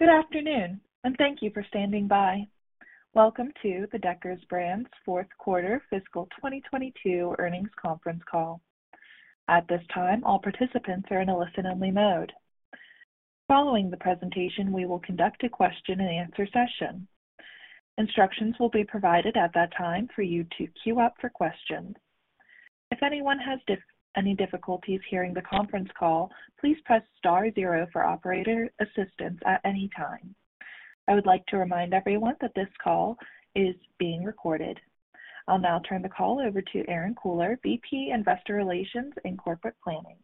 Good afternoon, and thank you for standing by. Welcome to the Deckers Brands' Fourth Quarter Fiscal 2022 Earnings Conference Call. At this time, all participants are in a listen-only mode. Following the presentation, we will conduct a question-and-answer session. Instructions will be provided at that time for you to queue up for questions. If anyone has difficulties hearing the conference call, please press star zero for operator assistance at any time. I would like to remind everyone that this call is being recorded. I'll now turn the call over to Erinn Kohler, VP Investor Relations and Corporate Planning.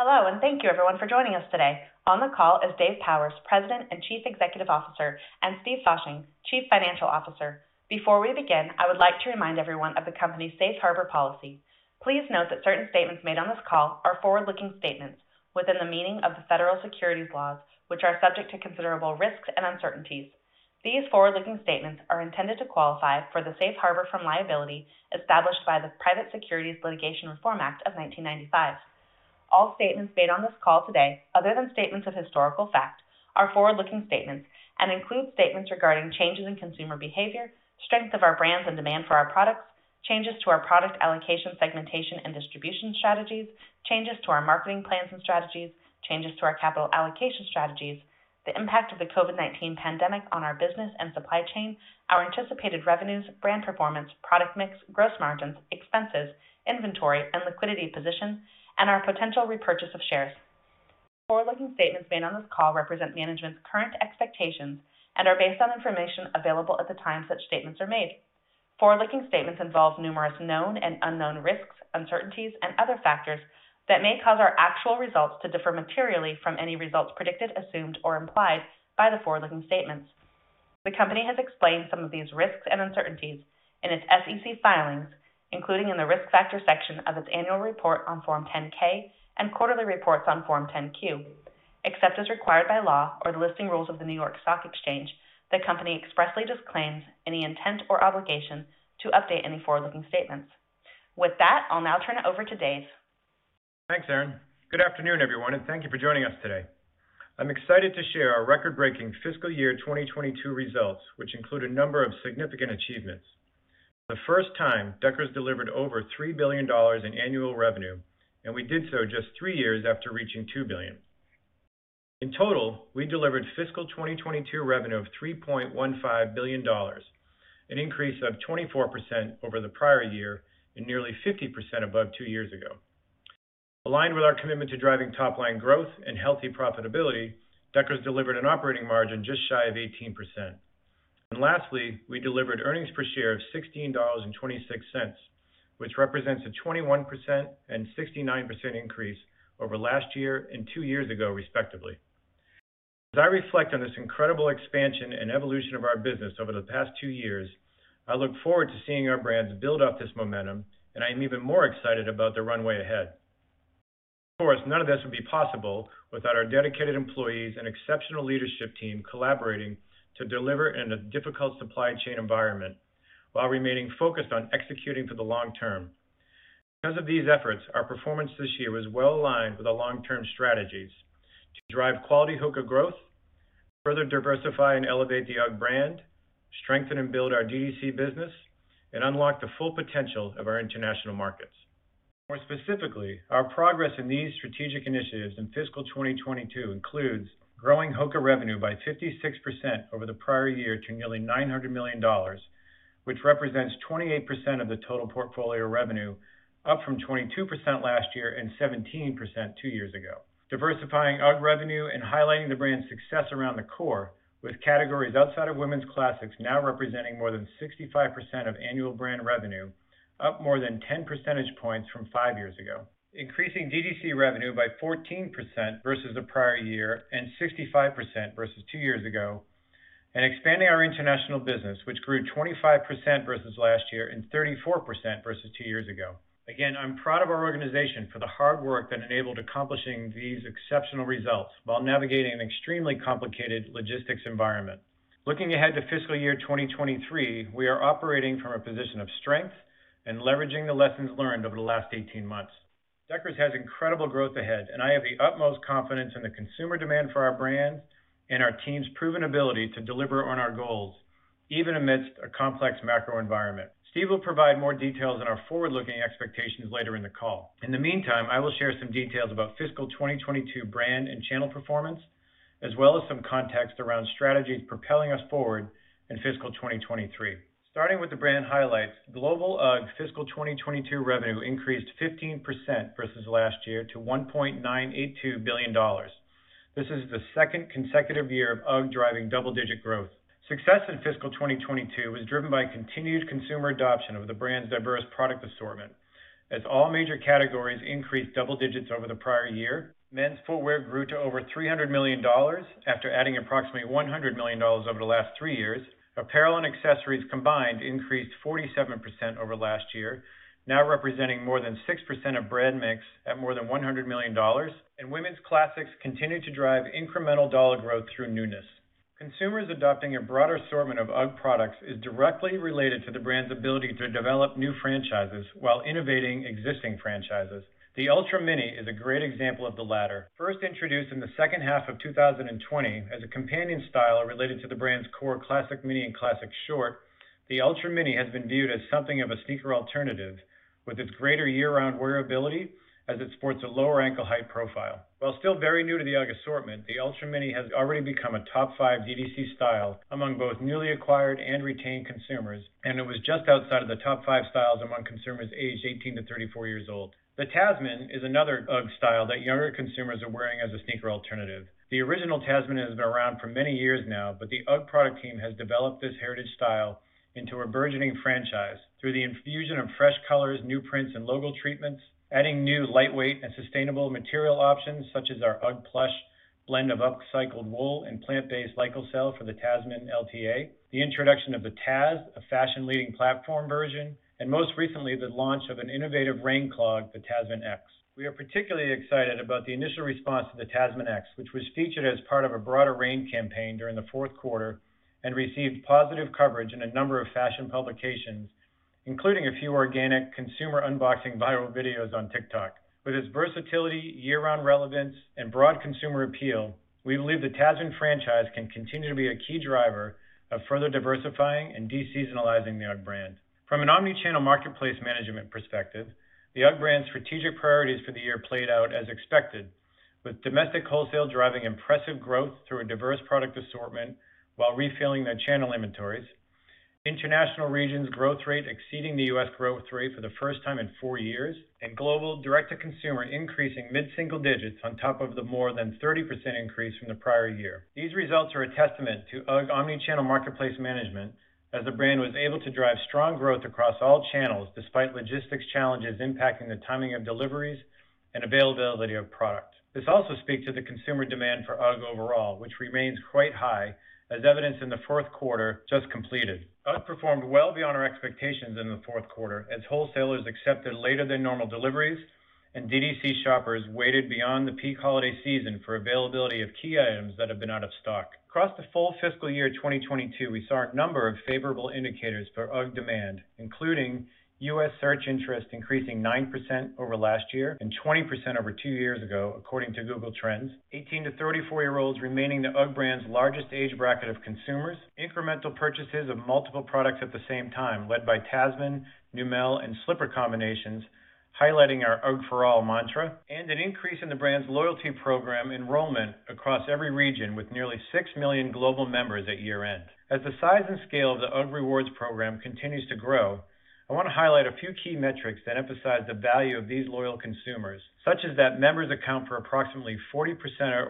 Hello, and thank you everyone for joining us today. On the call is Dave Powers, President and Chief Executive Officer, and Steve Fasching, Chief Financial Officer. Before we begin, I would like to remind everyone of the company's safe harbor policy. Please note that certain statements made on this call are forward-looking statements within the meaning of the federal securities laws, which are subject to considerable risks and uncertainties. These forward-looking statements are intended to qualify for the safe harbor from liability established by the Private Securities Litigation Reform Act of 1995. All statements made on this call today, other than statements of historical fact, are forward-looking statements and include statements regarding changes in consumer behavior, strength of our brands and demand for our products, changes to our product allocation, segmentation and distribution strategies, changes to our marketing plans and strategies, changes to our capital allocation strategies, the impact of the COVID-19 pandemic on our business and supply chain, our anticipated revenues, brand performance, product mix, gross margins, expenses, inventory and liquidity position, and our potential repurchase of shares. Forward-looking statements made on this call represent management's current expectations and are based on information available at the time such statements are made. Forward-looking statements involve numerous known and unknown risks, uncertainties, and other factors that may cause our actual results to differ materially from any results predicted, assumed, or implied by the forward-looking statements. The company has explained some of these risks and uncertainties in its SEC filings, including in the Risk Factors section of its annual report on Form 10-K and quarterly reports on Form 10-Q. Except as required by law or the listing rules of the New York Stock Exchange, the company expressly disclaims any intent or obligation to update any forward-looking statements. With that, I'll now turn it over to Dave. Thanks, Erinn. Good afternoon, everyone, and thank you for joining us today. I'm excited to share our record-breaking fiscal year 2022 results, which include a number of significant achievements. For the first time, Deckers delivered over $3 billion in annual revenue, and we did so just three years after reaching $2 billion. In total, we delivered fiscal 2022 revenue of $3.15 billion, an increase of 24% over the prior year and nearly 50% above two years ago. Aligned with our commitment to driving top line growth and healthy profitability, Deckers delivered an operating margin just shy of 18%. Lastly, we delivered earnings per share of $16.26, which represents a 21% and 69% increase over last year and two years ago, respectively. As I reflect on this incredible expansion and evolution of our business over the past two years, I look forward to seeing our brands build up this momentum, and I am even more excited about the runway ahead. Of course, none of this would be possible without our dedicated employees and exceptional leadership team collaborating to deliver in a difficult supply chain environment while remaining focused on executing for the long term. Because of these efforts, our performance this year was well aligned with the long-term strategies to drive quality HOKA growth, further diversify and elevate the UGG brand, strengthen and build our D2C business, and unlock the full potential of our international markets. More specifically, our progress in these strategic initiatives in fiscal 2022 includes growing HOKA revenue by 56% over the prior year to nearly $900 million, which represents 28% of the total portfolio revenue, up from 22% last year and 17% two years ago. Diversifying UGG revenue and highlighting the brand's success around the core, with categories outside of women's classics now representing more than 65% of annual brand revenue, up more than 10 percentage points from five years ago. Increasing DTC revenue by 14% versus the prior year and 65% versus two years ago, and expanding our international business, which grew 25% versus last year and 34% versus two years ago. I'm proud of our organization for the hard work that enabled accomplishing these exceptional results while navigating an extremely complicated logistics environment. Looking ahead to fiscal year 2023, we are operating from a position of strength and leveraging the lessons learned over the last 18 months. Deckers has incredible growth ahead, and I have the utmost confidence in the consumer demand for our brands and our team's proven ability to deliver on our goals even amidst a complex macro environment. Steve will provide more details on our forward-looking expectations later in the call. In the meantime, I will share some details about fiscal 2022 brand and channel performance, as well as some context around strategies propelling us forward in fiscal 2023. Starting with the brand highlights, global UGG fiscal 2022 revenue increased 15% versus last year to $1.982 billion. This is the second consecutive year of UGG driving double-digit growth. Success in fiscal 2022 was driven by continued consumer adoption of the brand's diverse product assortment, as all major categories increased double digits over the prior year. Men's footwear grew to over $300 million after adding approximately $100 million over the last three years. Apparel and accessories combined increased 47% over last year, now representing more than 6% of brand mix at more than $100 million. Women's classics continued to drive incremental dollar growth through newness. Consumers adopting a broader assortment of UGG products is directly related to the brand's ability to develop new franchises while innovating existing franchises. The Ultra Mini is a great example of the latter. First introduced in the second half of 2020 as a companion style related to the brand's core Classic Mini and Classic Short, the Ultra Mini has been viewed as something of a sneaker alternative with its greater year-round wearability as it sports a lower ankle height profile. While still very new to the UGG assortment, the Ultra Mini has already become a top five D2C style among both newly acquired and retained consumers, and it was just outside of the top five styles among consumers aged 18 to 34 years old. The Tasman is another UGG style that younger consumers are wearing as a sneaker alternative. The original Tasman has been around for many years now, but the UGG product team has developed this heritage style into a burgeoning franchise through the infusion of fresh colors, new prints, and logo treatments, adding new lightweight and sustainable material options such as our UGGplush blend of upcycled wool and plant-based Lyocell for the Tasman LTA. The introduction of the Tazz, a fashion leading platform version, and most recently, the launch of an innovative rain clog, the Tasman X. We are particularly excited about the initial response to the Tasman X, which was featured as part of a broader rain campaign during the fourth quarter and received positive coverage in a number of fashion publications, including a few organic consumer unboxing viral videos on TikTok. With its versatility, year-round relevance, and broad consumer appeal, we believe the Tasman franchise can continue to be a key driver of further diversifying and de-seasonalizing the UGG brand. From an omni-channel marketplace management perspective, the UGG brand's strategic priorities for the year played out as expected with domestic wholesale driving impressive growth through a diverse product assortment while refilling their channel inventories, international regions growth rate exceeding the U.S. growth rate for the first time in 4 years, and global direct-to-consumer increasing mid-single digits on top of the more than 30% increase from the prior year. These results are a testament to UGG omni-channel marketplace management as the brand was able to drive strong growth across all channels despite logistics challenges impacting the timing of deliveries and availability of product. This also speaks to the consumer demand for UGG overall, which remains quite high as evidenced in the fourth quarter just completed. UGG performed well beyond our expectations in the fourth quarter as wholesalers accepted later than normal deliveries and DTC shoppers waited beyond the peak holiday season for availability of key items that have been out of stock. Across the full fiscal year 2022, we saw a number of favorable indicators for UGG demand, including U.S. search interest increasing 9% over last year and 20% over two years ago, according to Google Trends. 18- to 34-year-olds remaining the UGG brand's largest age bracket of consumers. Incremental purchases of multiple products at the same time, led by Tasman, Neumel, and slipper combinations highlighting our UGG for all mantra. An increase in the brand's loyalty program enrollment across every region with nearly 6 million global members at year-end. As the size and scale of the UGG Rewards program continues to grow, I wanna highlight a few key metrics that emphasize the value of these loyal consumers, such as that members account for approximately 40%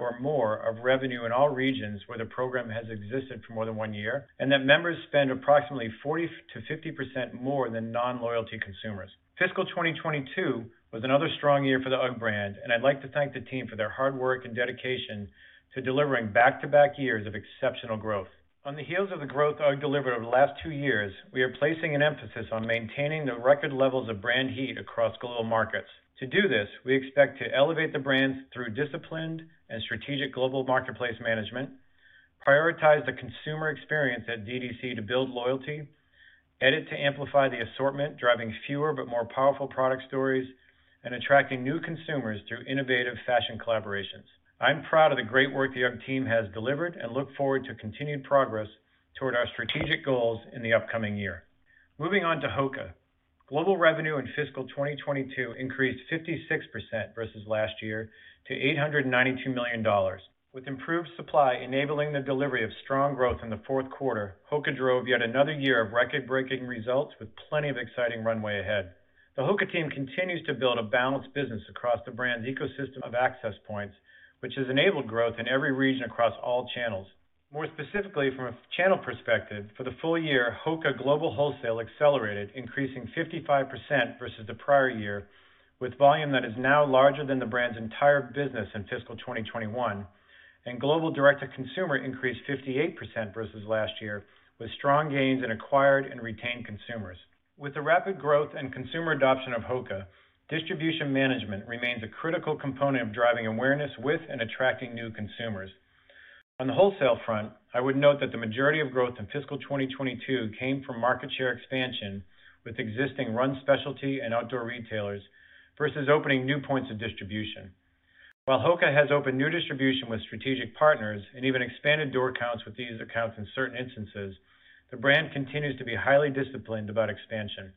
or more of revenue in all regions where the program has existed for more than one year, and that members spend approximately 40%-50% more than non-loyalty consumers. Fiscal 2022 was another strong year for the UGG brand, and I'd like to thank the team for their hard work and dedication to delivering back-to-back years of exceptional growth. On the heels of the growth UGG delivered over the last two years, we are placing an emphasis on maintaining the record levels of brand heat across global markets. To do this, we expect to elevate the brands through disciplined and strategic global marketplace management, prioritize the consumer experience at D2C to build loyalty, edit to amplify the assortment, driving fewer but more powerful product stories, and attracting new consumers through innovative fashion collaborations. I'm proud of the great work the UGG team has delivered and look forward to continued progress toward our strategic goals in the upcoming year. Moving on to HOKA. Global revenue in fiscal 2022 increased 56% versus last year to $892 million. With improved supply enabling the delivery of strong growth in the fourth quarter, HOKA drove yet another year of record-breaking results with plenty of exciting runway ahead. The HOKA team continues to build a balanced business across the brand's ecosystem of access points, which has enabled growth in every region across all channels. More specifically, from a channel perspective, for the full year, HOKA global wholesale accelerated, increasing 55% versus the prior year with volume that is now larger than the brand's entire business in fiscal 2021, and global direct-to-consumer increased 58% versus last year with strong gains in acquired and retained consumers. With the rapid growth and consumer adoption of HOKA, distribution management remains a critical component of driving awareness with and attracting new consumers. On the wholesale front, I would note that the majority of growth in fiscal 2022 came from market share expansion with existing run specialty and outdoor retailers versus opening new points of distribution. While HOKA has opened new distribution with strategic partners and even expanded door counts with these accounts in certain instances, the brand continues to be highly disciplined about expansion.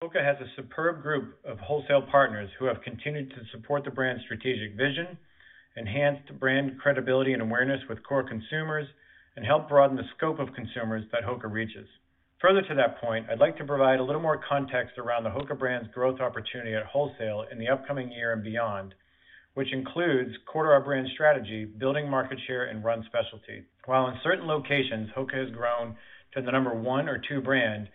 HOKA has a superb group of wholesale partners who have continued to support the brand's strategic vision, enhanced brand credibility and awareness with core consumers, and help broaden the scope of consumers that HOKA reaches. Further to that point, I'd like to provide a little more context around the HOKA brand's growth opportunity at wholesale in the upcoming year and beyond, which includes core to our brand strategy, building market share and run specialty. While in certain locations, HOKA has grown to the number one or two brand,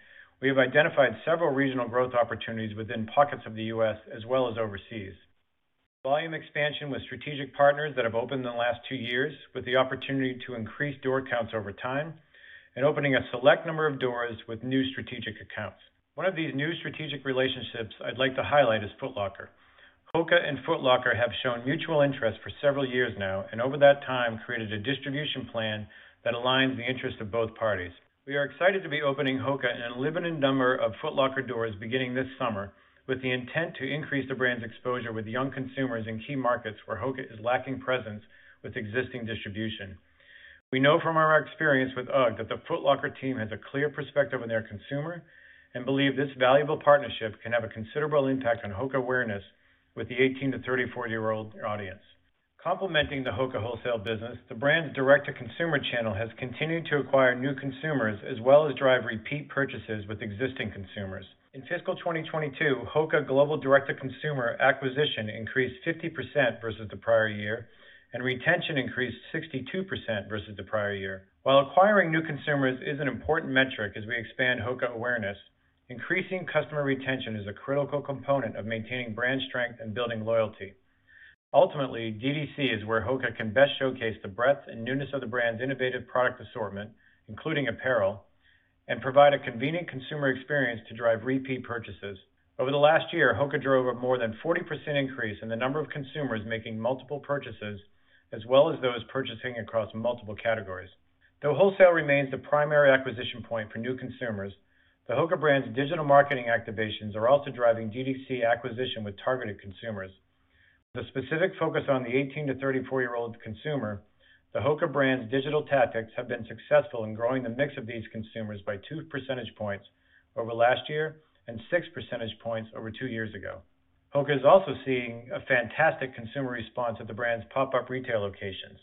we have identified several regional growth opportunities within pockets of the U.S. as well as overseas. Volume expansion with strategic partners that have opened in the last two years with the opportunity to increase door counts over time, and opening a select number of doors with new strategic accounts. One of these new strategic relationships I'd like to highlight is Foot Locker. HOKA and Foot Locker have shown mutual interest for several years now, and over that time created a distribution plan that aligns the interest of both parties. We are excited to be opening HOKA in a limited number of Foot Locker doors beginning this summer, with the intent to increase the brand's exposure with young consumers in key markets where HOKA is lacking presence with existing distribution. We know from our experience with UGG that the Foot Locker team has a clear perspective on their consumer, and believe this valuable partnership can have a considerable impact on HOKA awareness with the 18- to 34-year-old audience. Complementing the HOKA wholesale business, the brand's direct-to-consumer channel has continued to acquire new consumers as well as drive repeat purchases with existing consumers. In fiscal 2022, HOKA global direct-to-consumer acquisition increased 50% versus the prior year, and retention increased 62% versus the prior year. While acquiring new consumers is an important metric as we expand HOKA awareness, increasing customer retention is a critical component of maintaining brand strength and building loyalty. Ultimately, DTC is where HOKA can best showcase the breadth and newness of the brand's innovative product assortment, including apparel, and provide a convenient consumer experience to drive repeat purchases. Over the last year, HOKA drove a more than 40% increase in the number of consumers making multiple purchases, as well as those purchasing across multiple categories. Though wholesale remains the primary acquisition point for new consumers, the HOKA brand's digital marketing activations are also driving DTC acquisition with targeted consumers. With a specific focus on the 18- to 34-year-old consumer, the Hoka brand's digital tactics have been successful in growing the mix of these consumers by 2 percentage points over last year, and 6 percentage points over two years ago. Hoka is also seeing a fantastic consumer response at the brand's pop-up retail locations.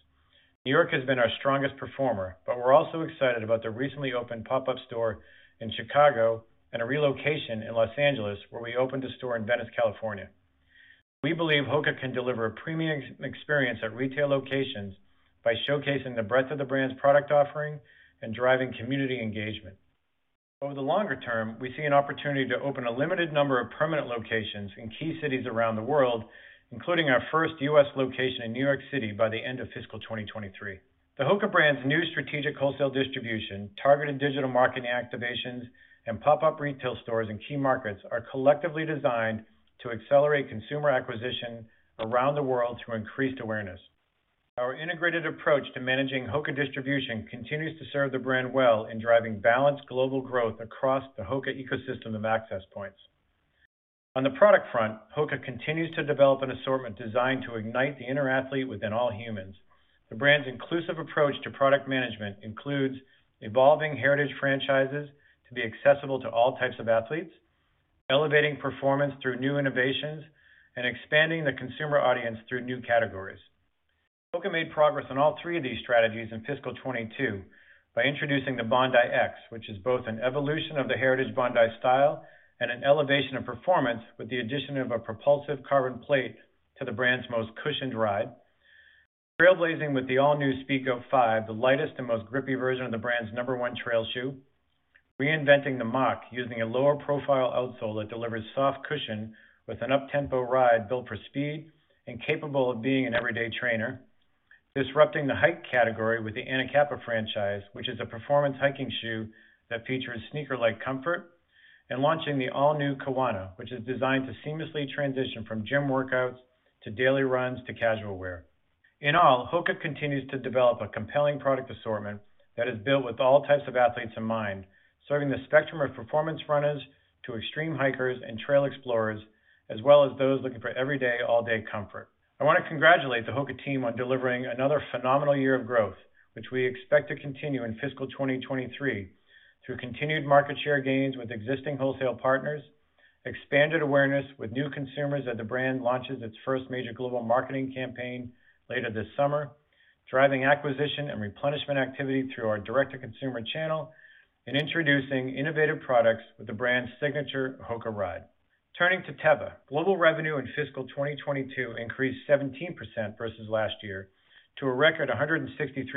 New York has been our strongest performer, but we're also excited about the recently opened pop-up store in Chicago, and a relocation in Los Angeles, where we opened a store in Venice, California. We believe Hoka can deliver a premium experience at retail locations by showcasing the breadth of the brand's product offering and driving community engagement. Over the longer term, we see an opportunity to open a limited number of permanent locations in key cities around the world, including our first U.S. location in New York City by the end of fiscal 2023. The HOKA brand's new strategic wholesale distribution, targeted digital marketing activations, and pop-up retail stores in key markets are collectively designed to accelerate consumer acquisition around the world through increased awareness. Our integrated approach to managing HOKA distribution continues to serve the brand well in driving balanced global growth across the HOKA ecosystem of access points. On the product front, HOKA continues to develop an assortment designed to ignite the inner athlete within all humans. The brand's inclusive approach to product management includes evolving heritage franchises to be accessible to all types of athletes, elevating performance through new innovations, and expanding the consumer audience through new categories. HOKA made progress on all three of these strategies in fiscal 2022 by introducing the Bondi X, which is both an evolution of the heritage Bondi style and an elevation of performance with the addition of a propulsive carbon plate to the brand's most cushioned ride. Trailblazing with the all-new Speedgoat 5, the lightest and most grippy version of the brand's number one trail shoe. Reinventing the Mach using a lower profile outsole that delivers soft cushion with an up-tempo ride built for speed and capable of being an everyday trainer. Disrupting the hike category with the Anacapa franchise, which is a performance hiking shoe that features sneaker-like comfort. Launching the all-new Kawana, which is designed to seamlessly transition from gym workouts to daily runs to casual wear. In all, HOKA continues to develop a compelling product assortment that is built with all types of athletes in mind, serving the spectrum of performance runners to extreme hikers and trail explorers, as well as those looking for every day, all-day comfort. I wanna congratulate the HOKA team on delivering another phenomenal year of growth, which we expect to continue in fiscal 2023 through continued market share gains with existing wholesale partners, expanded awareness with new consumers as the brand launches its first major global marketing campaign later this summer, driving acquisition and replenishment activity through our direct-to-consumer channel, and introducing innovative products with the brand's signature HOKA ride. Turning to Teva. Global revenue in fiscal 2022 increased 17% versus last year to a record $163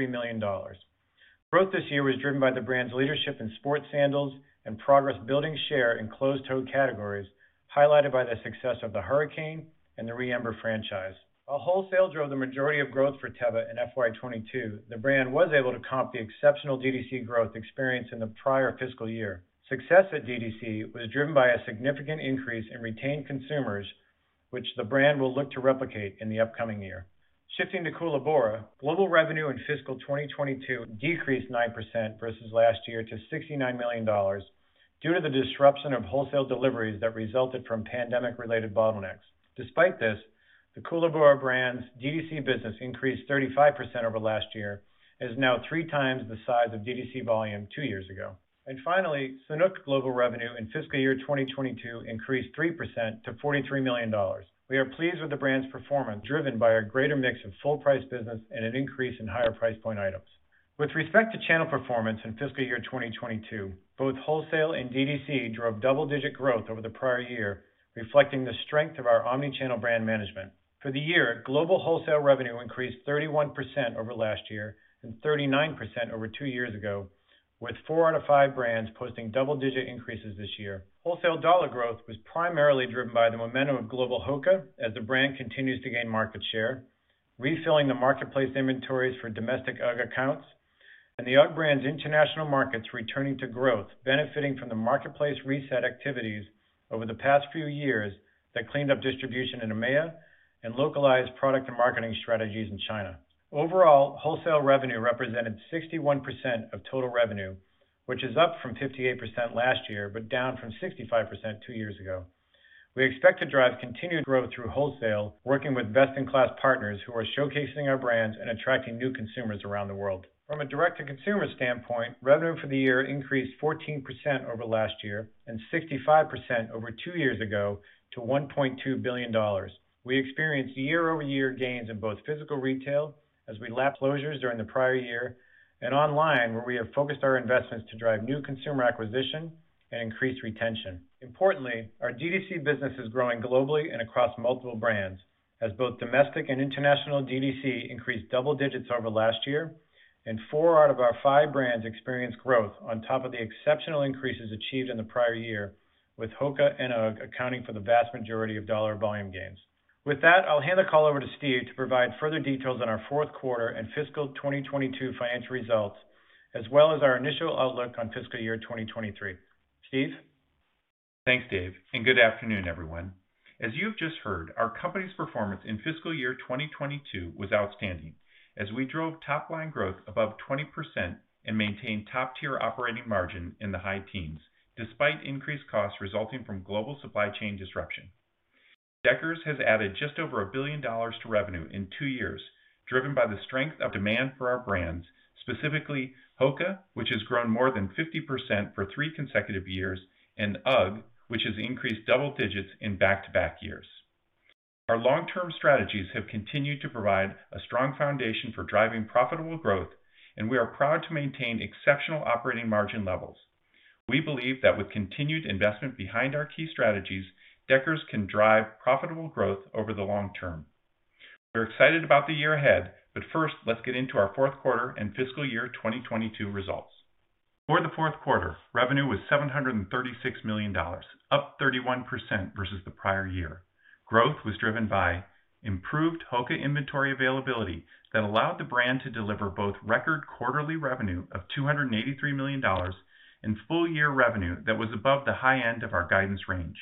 million. Growth this year was driven by the brand's leadership in sports sandals and progress building share in closed-toe categories, highlighted by the success of the Hurricane and the ReEmber franchise. While wholesale drove the majority of growth for Teva in FY 2022, the brand was able to comp the exceptional DTC growth experienced in the prior fiscal year. Success at DTC was driven by a significant increase in retained consumers, which the brand will look to replicate in the upcoming year. Shifting to Koolaburra. Global revenue in fiscal 2022 decreased 9% versus last year to $69 million due to the disruption of wholesale deliveries that resulted from pandemic-related bottlenecks. Despite this, the Koolaburra brand's DTC business increased 35% over last year, and is now three times the size of DTC volume two years ago. Finally, Sanuk global revenue in fiscal year 2022 increased 3% to $43 million. We are pleased with the brand's performance, driven by our greater mix of full price business and an increase in higher price point items. With respect to channel performance in fiscal year 2022, both wholesale and DTC drove double-digit growth over the prior year, reflecting the strength of our omni-channel brand management. For the year, global wholesale revenue increased 31% over last year, and 39% over two years ago, with four out of five brands posting double-digit increases this year. Wholesale dollar growth was primarily driven by the momentum of global HOKA as the brand continues to gain market share, refilling the marketplace inventories for domestic UGG accounts. The UGG brand's international markets returning to growth, benefiting from the marketplace reset activities over the past few years that cleaned up distribution in EMEA and localized product and marketing strategies in China. Overall, wholesale revenue represented 61% of total revenue, which is up from 58% last year, but down from 65% two years ago. We expect to drive continued growth through wholesale, working with best-in-class partners who are showcasing our brands and attracting new consumers around the world. From a direct-to-consumer standpoint, revenue for the year increased 14% over last year and 65% over two years ago to $1.2 billion. We experienced year-over-year gains in both physical retail as we lap closures during the prior year, and online, where we have focused our investments to drive new consumer acquisition and increase retention. Importantly, our D2C business is growing globally and across multiple brands, as both domestic and international D2C increased double digits over last year, and four out of our five brands experienced growth on top of the exceptional increases achieved in the prior year, with HOKA and UGG accounting for the vast majority of dollar volume gains. With that, I'll hand the call over to Steve to provide further details on our fourth quarter and fiscal 2022 financial results, as well as our initial outlook on fiscal year 2023. Steve? Thanks, Dave, and good afternoon, everyone. As you have just heard, our company's performance in fiscal year 2022 was outstanding, as we drove top-line growth above 20% and maintained top-tier operating margin in the high teens, despite increased costs resulting from global supply chain disruption. Deckers has added just over $1 billion to revenue in two years, driven by the strength of demand for our brands, specifically HOKA, which has grown more than 50% for three consecutive years, and UGG, which has increased double digits in back-to-back years. Our long-term strategies have continued to provide a strong foundation for driving profitable growth, and we are proud to maintain exceptional operating margin levels. We believe that with continued investment behind our key strategies, Deckers can drive profitable growth over the long term. We're excited about the year ahead, but first, let's get into our fourth quarter and fiscal year 2022 results. For the fourth quarter, revenue was $736 million, up 31% versus the prior year. Growth was driven by improved HOKA inventory availability that allowed the brand to deliver both record quarterly revenue of $283 million and full-year revenue that was above the high end of our guidance range.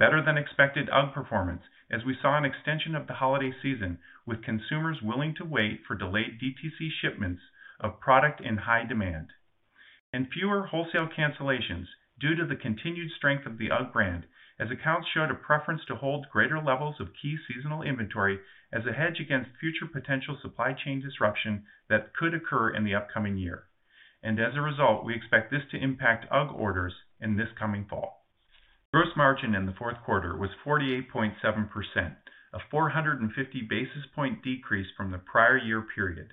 Better than expected UGG performance as we saw an extension of the holiday season with consumers willing to wait for delayed DTC shipments of product in high demand. Fewer wholesale cancellations due to the continued strength of the UGG brand as accounts showed a preference to hold greater levels of key seasonal inventory as a hedge against future potential supply chain disruption that could occur in the upcoming year. As a result, we expect this to impact UGG orders in this coming fall. Gross margin in the fourth quarter was 48.7%, a 450 basis point decrease from the prior year period.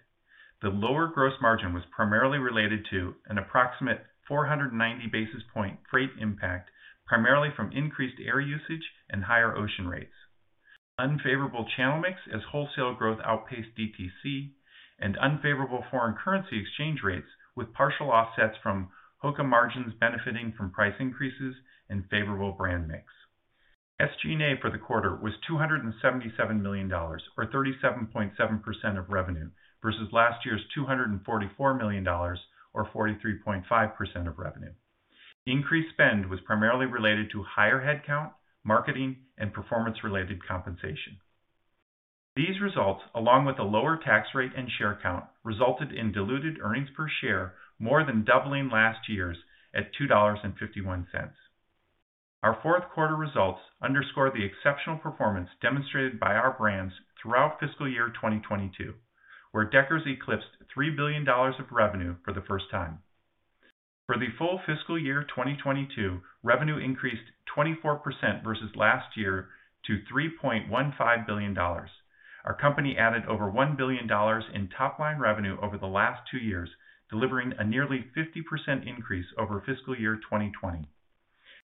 The lower gross margin was primarily related to an approximate 490 basis point freight impact, primarily from increased air usage and higher ocean rates, unfavorable channel mix as wholesale growth outpaced DTC, and unfavorable foreign currency exchange rates with partial offsets from HOKA margins benefiting from price increases and favorable brand mix. SG&A for the quarter was $277 million or 37.7% of revenue versus last year's $244 million or 43.5% of revenue. Increased spend was primarily related to higher headcount, marketing, and performance-related compensation. These results, along with a lower tax rate and share count, resulted in diluted earnings per share more than doubling last year's at $2.51. Our fourth quarter results underscore the exceptional performance demonstrated by our brands throughout fiscal year 2022, where Deckers eclipsed $3 billion of revenue for the first time. For the full fiscal year 2022, revenue increased 24% versus last year to $3.15 billion. Our company added over $1 billion in top line revenue over the last two years, delivering a nearly 50% increase over fiscal year 2020.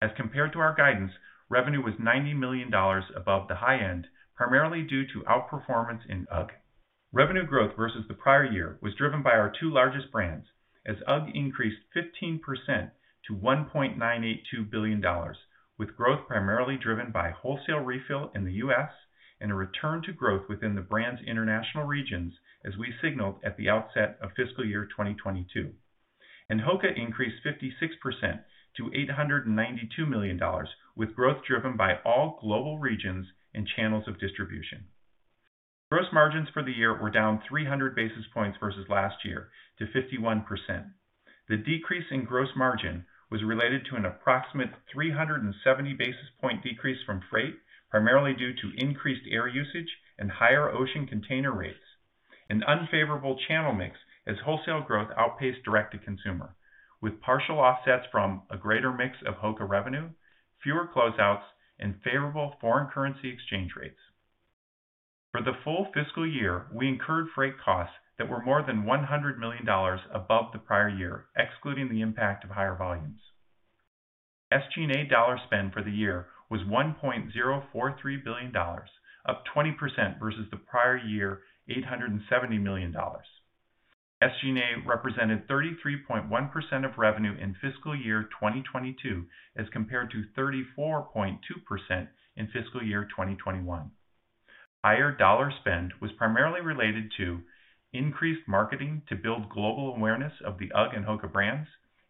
As compared to our guidance, revenue was $90 million above the high end, primarily due to outperformance in UGG. Revenue growth versus the prior year was driven by our two largest brands, as UGG increased 15% to $1.982 billion, with growth primarily driven by wholesale refill in the U.S. and a return to growth within the brand's international regions as we signaled at the outset of fiscal year 2022. HOKA increased 56% to $892 million, with growth driven by all global regions and channels of distribution. Gross margins for the year were down 300 basis points versus last year to 51%. The decrease in gross margin was related to an approximate 370 basis point decrease from freight, primarily due to increased air usage and higher ocean container rates, and unfavorable channel mix as wholesale growth outpaced direct-to-consumer, with partial offsets from a greater mix of HOKA revenue, fewer closeouts, and favorable foreign currency exchange rates. For the full fiscal year, we incurred freight costs that were more than $100 million above the prior year, excluding the impact of higher volumes. SG&A dollar spend for the year was $1.043 billion, up 20% versus the prior year, $870 million. SG&A represented 33.1% of revenue in fiscal year 2022 as compared to 34.2% in fiscal year 2021. Higher dollar spend was primarily related to increased marketing to build global awareness of the UGG and HOKA brands,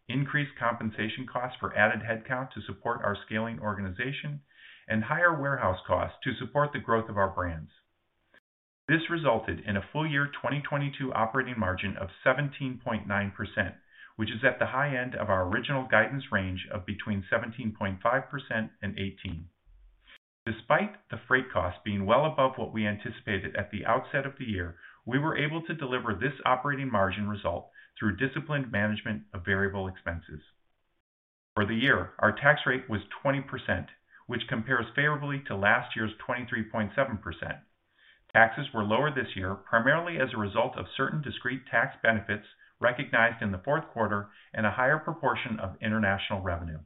increased compensation costs for added headcount to support our scaling organization, and higher warehouse costs to support the growth of our brands. This resulted in a full year 2022 operating margin of 17.9%, which is at the high end of our original guidance range of between 17.5% and 18%. Despite the freight costs being well above what we anticipated at the outset of the year, we were able to deliver this operating margin result through disciplined management of variable expenses. For the year, our tax rate was 20%, which compares favorably to last year's 23.7%. Taxes were lower this year, primarily as a result of certain discrete tax benefits recognized in the fourth quarter and a higher proportion of international revenue.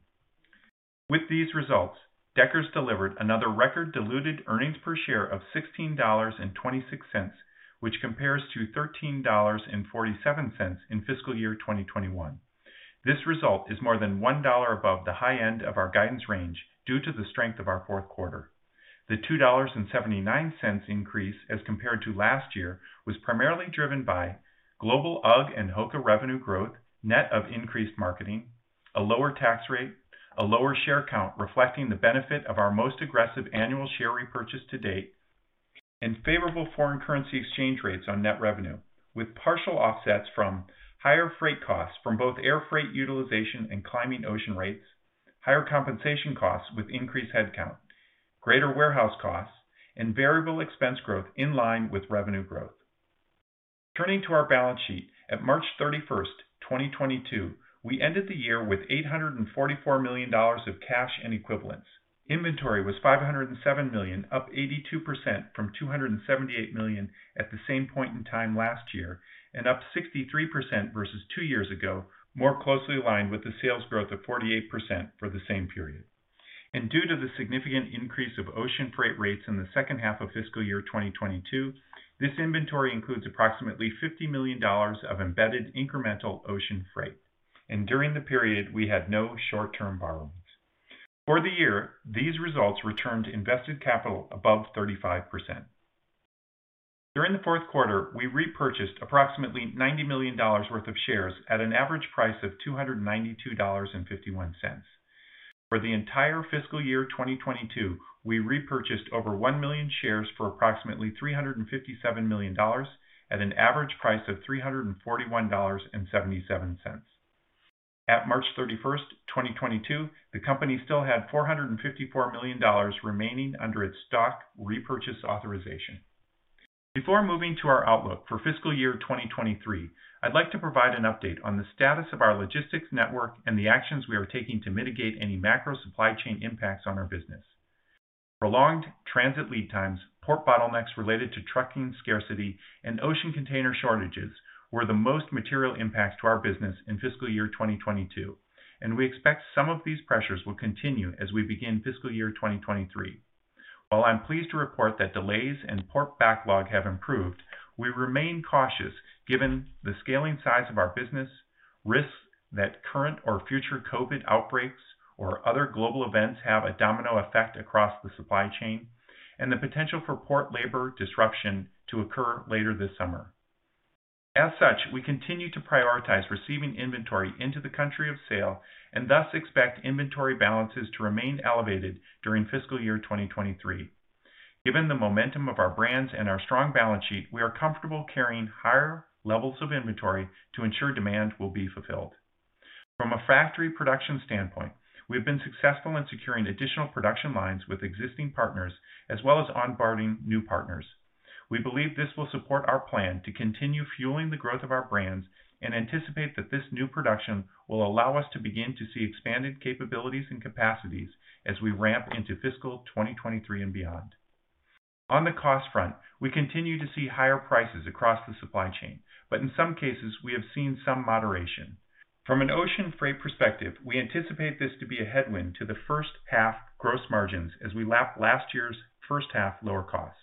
With these results, Deckers delivered another record diluted earnings per share of $16.26, which compares to $13.47 in fiscal year 2021. This result is more than $1 above the high end of our guidance range due to the strength of our fourth quarter. The $2.79 increase as compared to last year was primarily driven by global UGG and HOKA revenue growth, net of increased marketing, a lower tax rate, a lower share count reflecting the benefit of our most aggressive annual share repurchase to date, and favorable foreign currency exchange rates on net revenue, with partial offsets from higher freight costs from both air freight utilization and climbing ocean rates, higher compensation costs with increased headcount, greater warehouse costs, and variable expense growth in line with revenue growth. Turning to our balance sheet, at March 31, 2022, we ended the year with $844 million of cash and equivalents. Inventory was $507 million, up 82% from $278 million at the same point in time last year, and up 63% versus two years ago, more closely aligned with the sales growth of 48% for the same period. Due to the significant increase of ocean freight rates in the second half of fiscal year 2022, this inventory includes approximately $50 million of embedded incremental ocean freight. During the period, we had no short-term borrowings. For the year, these results returned invested capital above 35%. During the fourth quarter, we repurchased approximately $90 million worth of shares at an average price of $292.51. For the entire fiscal year 2022, we repurchased over 1 million shares for approximately $357 million at an average price of $341.77. At March 31, 2022, the company still had $454 million remaining under its stock repurchase authorization. Before moving to our outlook for fiscal year 2023, I'd like to provide an update on the status of our logistics network and the actions we are taking to mitigate any macro supply chain impacts on our business. Prolonged transit lead times, port bottlenecks related to trucking scarcity, and ocean container shortages were the most material impacts to our business in fiscal year 2022, and we expect some of these pressures will continue as we begin fiscal year 2023. While I'm pleased to report that delays and port backlog have improved, we remain cautious given the scaling size of our business, risks that current or future COVID outbreaks or other global events have a domino effect across the supply chain, and the potential for port labor disruption to occur later this summer. As such, we continue to prioritize receiving inventory into the country of sale and thus expect inventory balances to remain elevated during fiscal year 2023. Given the momentum of our brands and our strong balance sheet, we are comfortable carrying higher levels of inventory to ensure demand will be fulfilled. From a factory production standpoint, we have been successful in securing additional production lines with existing partners as well as onboarding new partners. We believe this will support our plan to continue fueling the growth of our brands and anticipate that this new production will allow us to begin to see expanded capabilities and capacities as we ramp into fiscal 2023 and beyond. On the cost front, we continue to see higher prices across the supply chain, but in some cases, we have seen some moderation. From an ocean freight perspective, we anticipate this to be a headwind to the first half gross margins as we lap last year's first half lower costs.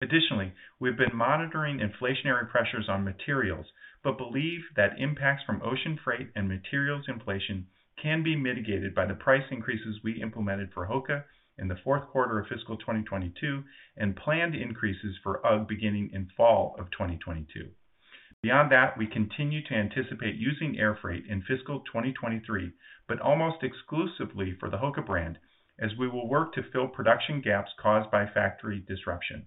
Additionally, we've been monitoring inflationary pressures on materials, but believe that impacts from ocean freight and materials inflation can be mitigated by the price increases we implemented for HOKA in the fourth quarter of fiscal 2022 and planned increases for UGG beginning in fall of 2022. Beyond that, we continue to anticipate using air freight in fiscal 2023, but almost exclusively for the HOKA brand as we will work to fill production gaps caused by factory disruption.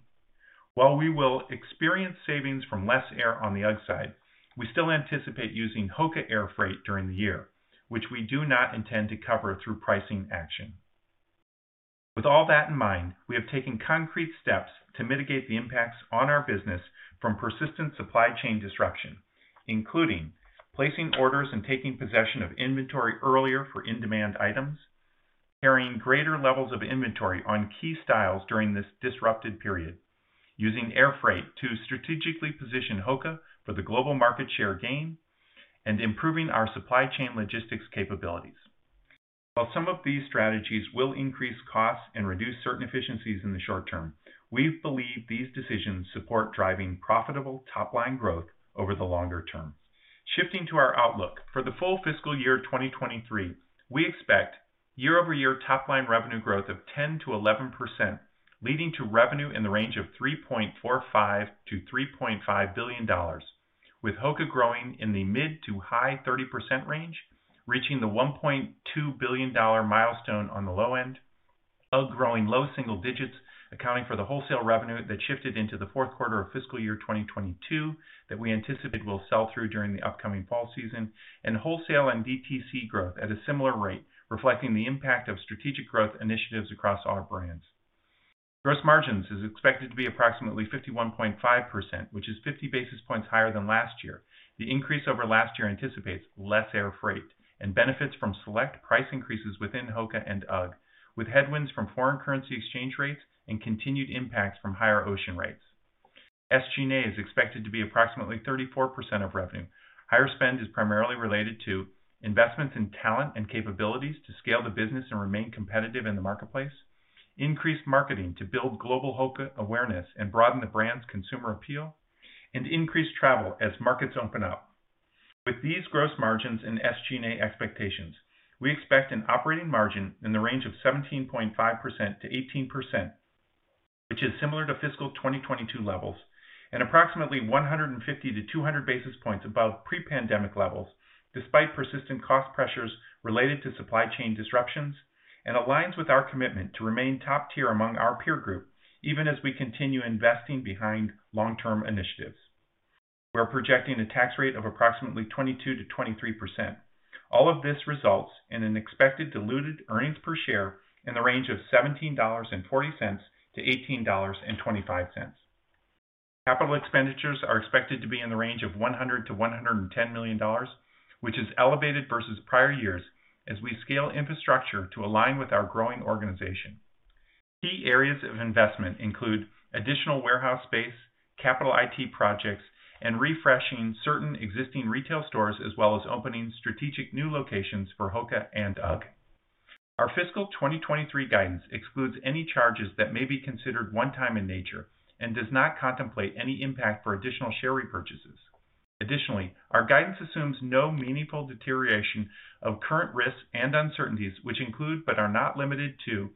While we will experience savings from less air on the UGG side, we still anticipate using HOKA air freight during the year, which we do not intend to cover through pricing action. With all that in mind, we have taken concrete steps to mitigate the impacts on our business from persistent supply chain disruption, including placing orders and taking possession of inventory earlier for in-demand items, carrying greater levels of inventory on key styles during this disrupted period, using air freight to strategically position HOKA for the global market share gain, and improving our supply chain logistics capabilities. While some of these strategies will increase costs and reduce certain efficiencies in the short term, we believe these decisions support driving profitable top-line growth over the longer term. Shifting to our outlook. For the full fiscal year 2023, we expect year-over-year top line revenue growth of 10%-11%, leading to revenue in the range of $3.45 billion-$3.5 billion, with HOKA growing in the mid- to high-30% range, reaching the $1.2 billion milestone on the low end. UGG growing low single digits, accounting for the wholesale revenue that shifted into the fourth quarter of fiscal year 2022 that we anticipated will sell through during the upcoming fall season. Wholesale and DTC growth at a similar rate, reflecting the impact of strategic growth initiatives across all brands. Gross margins is expected to be approximately 51.5%, which is 50 basis points higher than last year. The increase over last year anticipates less air freight and benefits from select price increases within HOKA and UGG, with headwinds from foreign currency exchange rates and continued impacts from higher ocean rates. SG&A is expected to be approximately 34% of revenue. Higher spend is primarily related to investments in talent and capabilities to scale the business and remain competitive in the marketplace, increased marketing to build global HOKA awareness and broaden the brand's consumer appeal, and increased travel as markets open up. With these gross margins and SG&A expectations, we expect an operating margin in the range of 17.5%-18%, which is similar to fiscal 2022 levels and approximately 150-200 basis points above pre-pandemic levels, despite persistent cost pressures related to supply chain disruptions, and aligns with our commitment to remain top tier among our peer group, even as we continue investing behind long-term initiatives. We are projecting a tax rate of approximately 22%-23%. All of this results in an expected diluted earnings per share in the range of $17.40-$18.25. Capital expenditures are expected to be in the range of $100-$110 million, which is elevated versus prior years as we scale infrastructure to align with our growing organization. Key areas of investment include additional warehouse space, capital IT projects, and refreshing certain existing retail stores, as well as opening strategic new locations for HOKA and UGG. Our fiscal 2023 guidance excludes any charges that may be considered one time in nature and does not contemplate any impact for additional share repurchases. Additionally, our guidance assumes no meaningful deterioration of current risks and uncertainties, which include but are not limited to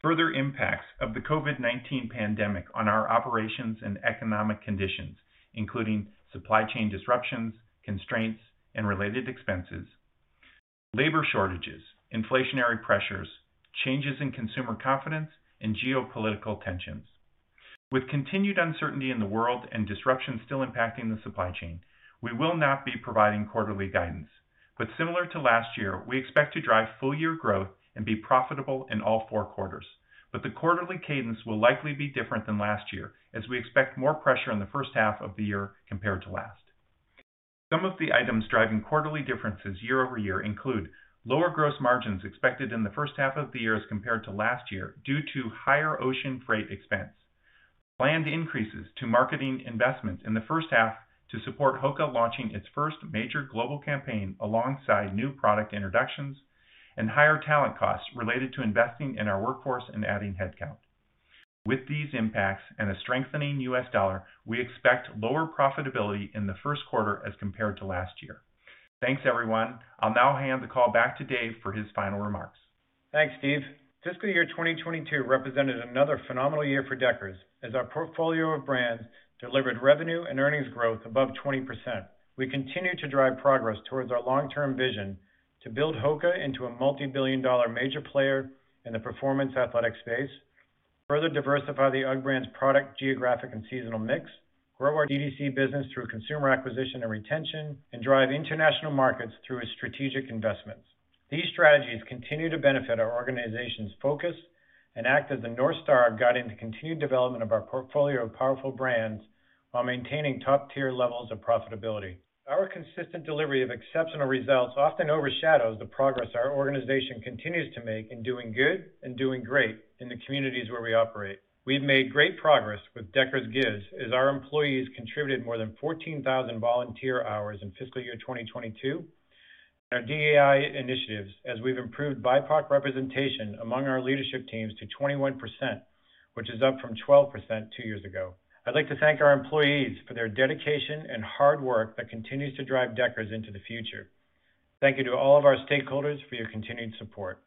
further impacts of the COVID-19 pandemic on our operations and economic conditions, including supply chain disruptions, constraints, and related expenses, labor shortages, inflationary pressures, changes in consumer confidence, and geopolitical tensions. With continued uncertainty in the world and disruption still impacting the supply chain, we will not be providing quarterly guidance. Similar to last year, we expect to drive full year growth and be profitable in all four quarters. The quarterly cadence will likely be different than last year as we expect more pressure in the first half of the year compared to last. Some of the items driving quarterly differences year-over-year include lower gross margins expected in the first half of the year as compared to last year due to higher ocean freight expense. Planned increases to marketing investments in the first half to support HOKA launching its first major global campaign alongside new product introductions and higher talent costs related to investing in our workforce and adding headcount. With these impacts and a strengthening US dollar, we expect lower profitability in the first quarter as compared to last year. Thanks, everyone. I'll now hand the call back to Dave for his final remarks. Thanks, Steve. Fiscal year 2022 represented another phenomenal year for Deckers as our portfolio of brands delivered revenue and earnings growth above 20%. We continue to drive progress towards our long-term vision to build HOKA into a multibillion-dollar major player in the performance athletic space, further diversify the UGG brand's product, geographic, and seasonal mix, grow our DTC business through consumer acquisition and retention, and drive international markets through its strategic investments. These strategies continue to benefit our organization's focus and act as a North Star guiding the continued development of our portfolio of powerful brands while maintaining top-tier levels of profitability. Our consistent delivery of exceptional results often overshadows the progress our organization continues to make in doing good and doing great in the communities where we operate. We've made great progress with Deckers Gives as our employees contributed more than 14,000 volunteer hours in fiscal year 2022, and our DEI initiatives as we've improved BIPOC representation among our leadership teams to 21%, which is up from 12% two years ago. I'd like to thank our employees for their dedication and hard work that continues to drive Deckers into the future. Thank you to all of our stakeholders for your continued support.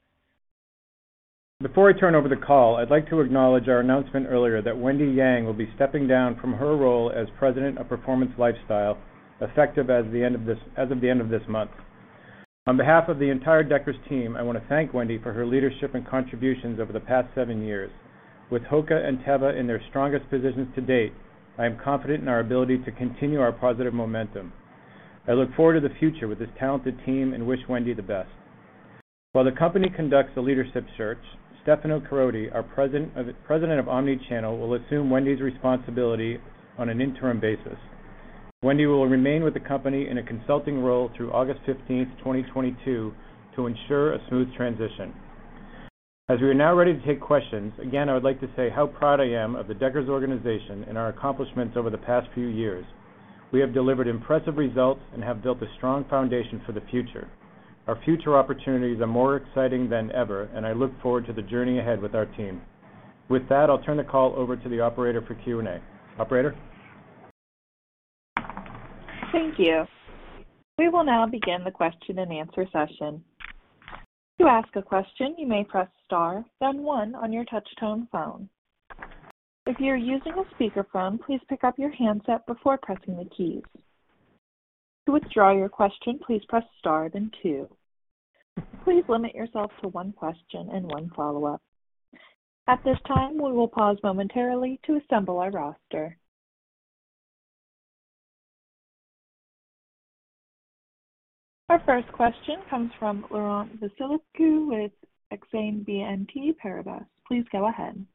Before I turn over the call, I'd like to acknowledge our announcement earlier that Wendy Yang will be stepping down from her role as President of Performance Lifestyle, effective as of the end of this month. On behalf of the entire Deckers team, I wanna thank Wendy for her leadership and contributions over the past seven years. With HOKA and Teva in their strongest positions to date, I am confident in our ability to continue our positive momentum. I look forward to the future with this talented team and wish Wendy the best. While the company conducts a leadership search, Stefano Caroti, our President of Omnichannel, will assume Wendy's responsibility on an interim basis. Wendy will remain with the company in a consulting role through August 15, 2022, to ensure a smooth transition. As we are now ready to take questions, again, I would like to say how proud I am of the Deckers organization and our accomplishments over the past few years. We have delivered impressive results and have built a strong foundation for the future. Our future opportunities are more exciting than ever, and I look forward to the journey ahead with our team. With that, I'll turn the call over to the operator for Q&A. Operator? Thank you. We will now begin the question and answer session. To ask a question, you may press Star, then one on your touchtone phone. If you're using a speaker phone, please pick up your handset before pressing the keys. To withdraw your question, please press Star, then two. Please limit yourself to one question and one follow-up. At this time, we will pause momentarily to assemble our roster. Our first question comes from Laurent Vasilescu with Exane BNP Paribas. Please go ahead.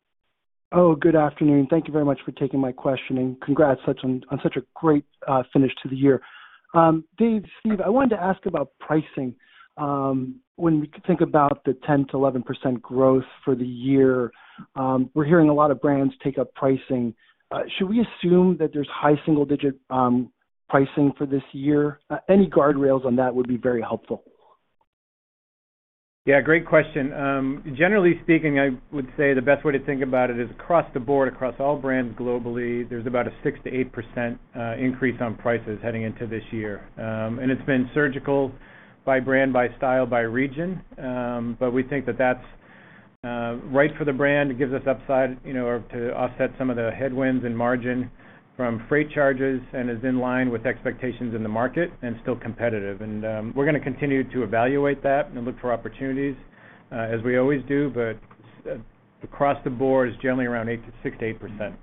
Good afternoon. Thank you very much for taking my question, and congrats on such a great finish to the year. Dave, Steve, I wanted to ask about pricing. When we think about the 10%-11% growth for the year, we're hearing a lot of brands take up pricing. Should we assume that there's high single-digit pricing for this year? Any guardrails on that would be very helpful. Yeah. Great question. Generally speaking, I would say the best way to think about it is across the board, across all brands globally, there's about a 6%-8% increase on prices heading into this year. It's been surgical by brand, by style, by region. We think that that's right for the brand. It gives us upside, you know, or to offset some of the headwinds and margin from freight charges and is in line with expectations in the market and still competitive. We're gonna continue to evaluate that and look for opportunities, as we always do, but across the board is generally around 6%-8%.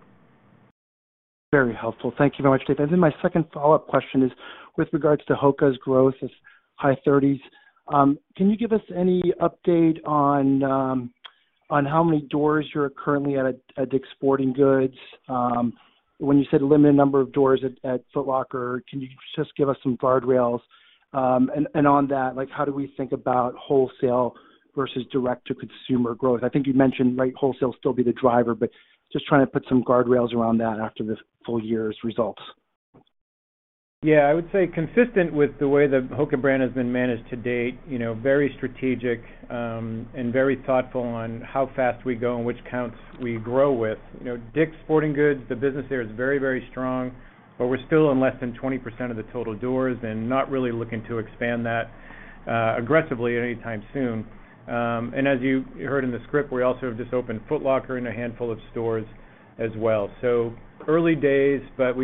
Very helpful. Thank you so much, Dave. My second follow-up question is with regards to HOKA's growth as high 30s%. Can you give us any update on how many doors you're currently at at Dick's Sporting Goods? When you said limited number of doors at Foot Locker, can you just give us some guardrails? And on that, like, how do we think about wholesale versus direct to consumer growth? I think you mentioned, right, wholesale still be the driver, but just trying to put some guardrails around that after this full year's results. Yeah. I would say consistent with the way the HOKA brand has been managed to date, you know, very strategic, and very thoughtful on how fast we go and which accounts we grow with. You know, Dick's Sporting Goods, the business there is very, very strong, but we're still in less than 20% of the total doors and not really looking to expand that, aggressively anytime soon. As you heard in the script, we also have just opened Foot Locker in a handful of stores as well. Early days, but as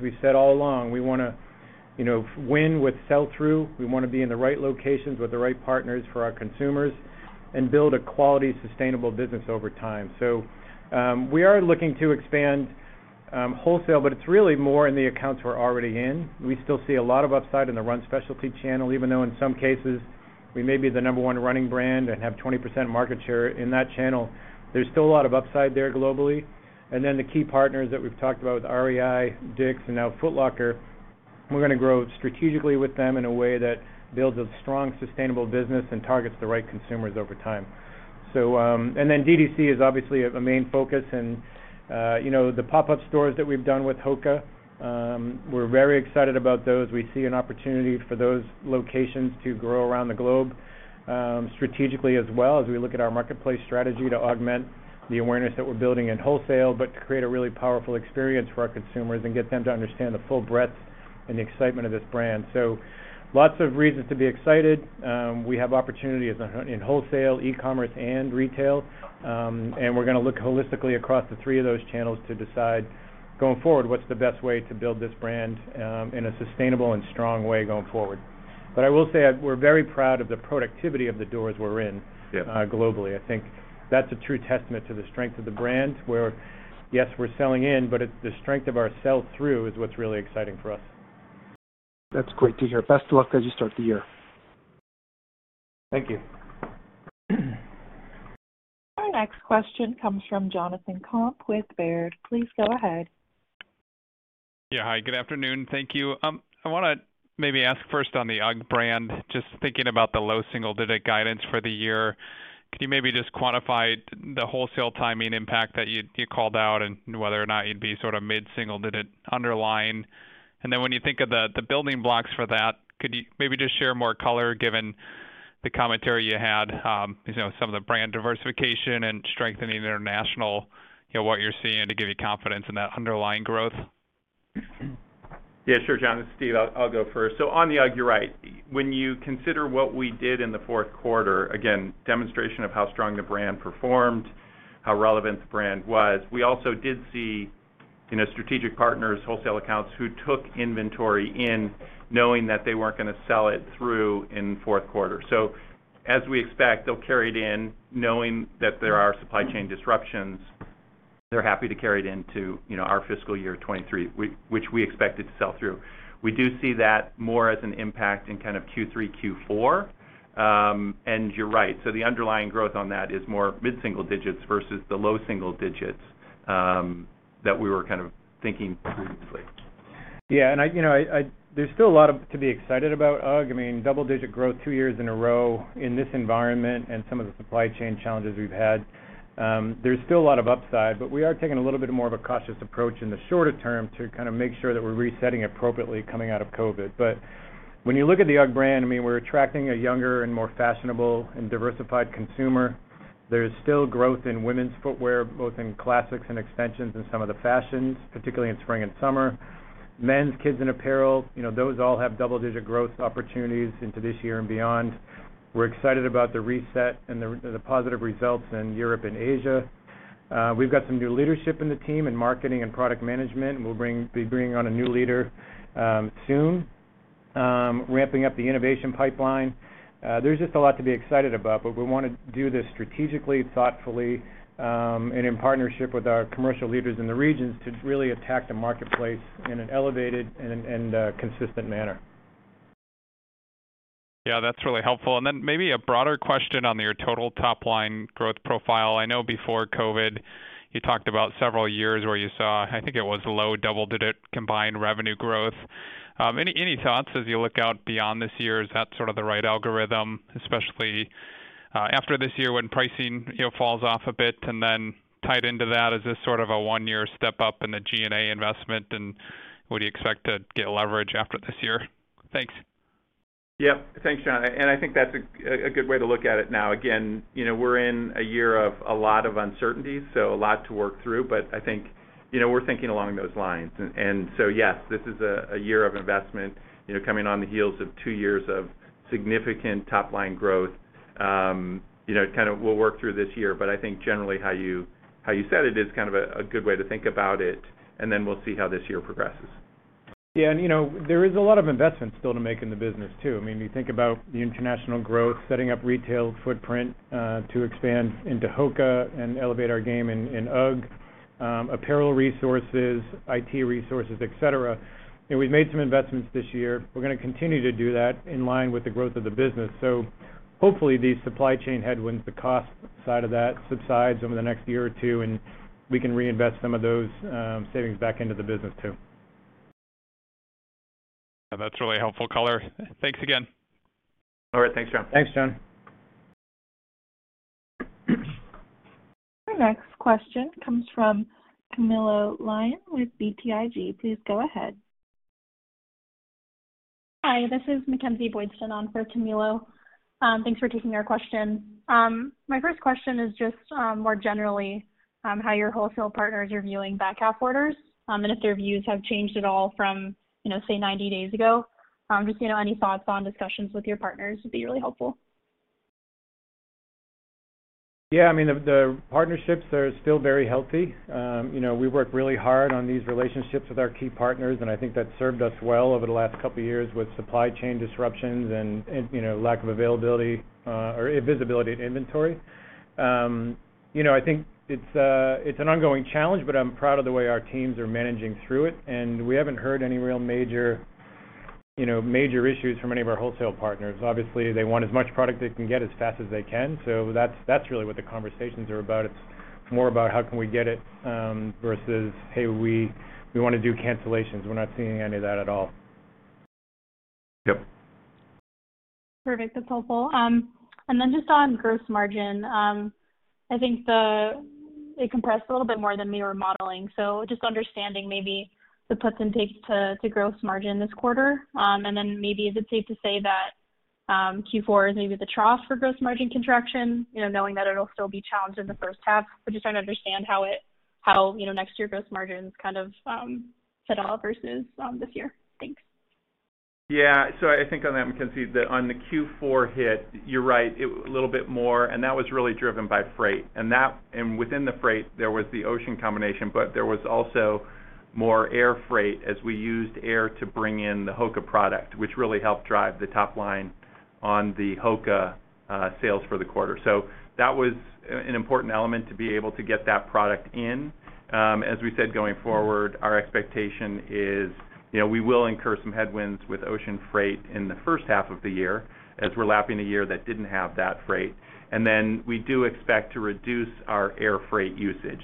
we said all along, we wanna, you know, win with sell-through. We wanna be in the right locations with the right partners for our consumers and build a quality, sustainable business over time. We are looking to expand wholesale, but it's really more in the accounts we're already in. We still see a lot of upside in the running specialty channel, even though in some cases we may be the number one running brand and have 20% market share in that channel. There's still a lot of upside there globally. The key partners that we've talked about with REI, Dick's, and now Foot Locker, we're gonna grow strategically with them in a way that builds a strong, sustainable business and targets the right consumers over time. D2C is obviously a main focus. You know, the pop-up stores that we've done with HOKA, we're very excited about those. We see an opportunity for those locations to grow around the globe, strategically as well as we look at our marketplace strategy to augment the awareness that we're building in wholesale, but to create a really powerful experience for our consumers and get them to understand the full breadth and the excitement of this brand. Lots of reasons to be excited. We have opportunity in wholesale, e-commerce, and retail. We're gonna look holistically across the three of those channels to decide, going forward, what's the best way to build this brand, in a sustainable and strong way going forward. I will say we're very proud of the productivity of the doors we're in- Yes globally. I think that's a true testament to the strength of the brand, where, yes, we're selling in, but it's the strength of our sell-through is what's really exciting for us. That's great to hear. Best of luck as you start the year. Thank you. Our next question comes from Jonathan Komp with Baird. Please go ahead. Yeah. Hi, good afternoon. Thank you. I want to maybe ask first on the UGG brand, just thinking about the low single-digit guidance for the year. Could you maybe just quantify the wholesale timing impact that you called out and whether or not you'd be sort of mid-single digit underlying? And then when you think of the building blocks for that, could you maybe just share more color given the commentary you had, you know, some of the brand diversification and strengthening international, you know, what you're seeing to give you confidence in that underlying growth? Yeah, sure, John. It's Steve. I'll go first. On the UGG, you're right. When you consider what we did in the fourth quarter, again, demonstration of how strong the brand performed, how relevant the brand was. We also did see, you know, strategic partners, wholesale accounts who took inventory in knowing that they weren't gonna sell it through in fourth quarter. As we expect, they'll carry it in knowing that there are supply chain disruptions. They're happy to carry it into, you know, our fiscal year 2023, which we expected to sell through. We do see that more as an impact in kind of Q3, Q4. And you're right. The underlying growth on that is more mid-single digits versus the low single digits that we were kind of thinking previously. Yeah. There's still a lot to be excited about UGG. I mean, double-digit growth two years in a row in this environment and some of the supply chain challenges we've had. There's still a lot of upside, but we are taking a little bit more of a cautious approach in the shorter term to kind of make sure that we're resetting appropriately coming out of COVID. When you look at the UGG brand, I mean, we're attracting a younger and more fashionable and diversified consumer. There is still growth in women's footwear, both in classics and extensions in some of the fashions, particularly in spring and summer. Men's, kids, and apparel, you know, those all have double-digit growth opportunities into this year and beyond. We're excited about the reset and the positive results in Europe and Asia. We've got some new leadership in the team in marketing and product management, and we'll be bringing on a new leader soon. Ramping up the innovation pipeline. There's just a lot to be excited about, but we wanna do this strategically, thoughtfully, and in partnership with our commercial leaders in the regions to really attack the marketplace in an elevated and consistent manner. Yeah, that's really helpful. Then maybe a broader question on your total top line growth profile. I know before COVID, you talked about several years where you saw, I think it was low double-digit combined revenue growth. Any thoughts as you look out beyond this year? Is that sort of the right algorithm, especially after this year when pricing, you know, falls off a bit? Tied into that, is this sort of a one-year step up in the SG&A investment, and would you expect to get leverage after this year? Thanks. Yep. Thanks, John. I think that's a good way to look at it now. Again, you know, we're in a year of a lot of uncertainties, so a lot to work through. I think, you know, we're thinking along those lines. So yes, this is a year of investment, you know, coming on the heels of two years of significant top line growth. You know, kind of we'll work through this year. I think generally how you said it is kind of a good way to think about it, and then we'll see how this year progresses. Yeah. You know, there is a lot of investments still to make in the business too. I mean, you think about the international growth, setting up retail footprint, to expand into HOKA and elevate our game in UGG, apparel resources, IT resources, et cetera. You know, we've made some investments this year. We're gonna continue to do that in line with the growth of the business. Hopefully these supply chain headwinds, the cost side of that subsides over the next year or two, and we can reinvest some of those savings back into the business too. That's really helpful color. Thanks again. All right. Thanks, John. Thanks, John. Our next question comes from Camilo Lyon with BTIG. Please go ahead. Hi, this is Mackenzie Boydston on for Camilo. Thanks for taking our question. My first question is just more generally how your wholesale partners are viewing back half orders and if their views have changed at all from, you know, say, 90 days ago. Just, you know, any thoughts on discussions with your partners would be really helpful. Yeah. I mean, the partnerships are still very healthy. You know, we work really hard on these relationships with our key partners, and I think that's served us well over the last couple of years with supply chain disruptions and, you know, lack of availability, or visibility to inventory. You know, I think it's an ongoing challenge, but I'm proud of the way our teams are managing through it. We haven't heard any real major issues from any of our wholesale partners. Obviously, they want as much product they can get as fast as they can, so that's really what the conversations are about. It's more about how can we get it, versus, "Hey, we wanna do cancellations." We're not seeing any of that at all. Yep. Perfect. That's helpful. Just on gross margin, I think it compressed a little bit more than we were modeling. Just understanding maybe the puts and takes to gross margin this quarter. Maybe is it safe to say that Q4 is maybe the trough for gross margin contraction, you know, knowing that it'll still be challenged in the first half? We're just trying to understand how, you know, next year gross margins kind of set off versus this year. Thanks. Yeah. I think on that, Mackenzie, on the Q4 hit, you're right. It was a little bit more, and that was really driven by freight. Within the freight, there was the ocean container, but there was also more air freight as we used air to bring in the HOKA product, which really helped drive the top line on the HOKA sales for the quarter. That was an important element to be able to get that product in. As we said, going forward, our expectation is, you know, we will incur some headwinds with ocean freight in the first half of the year as we're lapping a year that didn't have that freight. We do expect to reduce our air freight usage.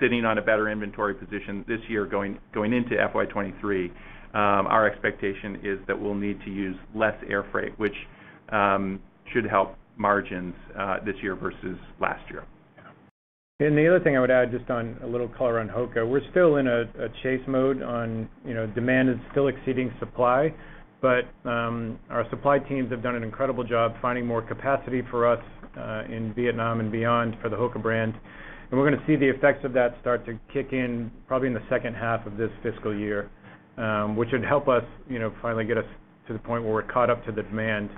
Sitting on a better inventory position this year going into FY 2023, our expectation is that we'll need to use less air freight, which should help margins this year versus last year. Yeah. The other thing I would add just on a little color on HOKA, we're still in a chase mode on, you know, demand is still exceeding supply. Our supply teams have done an incredible job finding more capacity for us in Vietnam and beyond for the HOKA brand. We're gonna see the effects of that start to kick in probably in the second half of this fiscal year, which would help us, you know, finally get us to the point where we're caught up to the demand.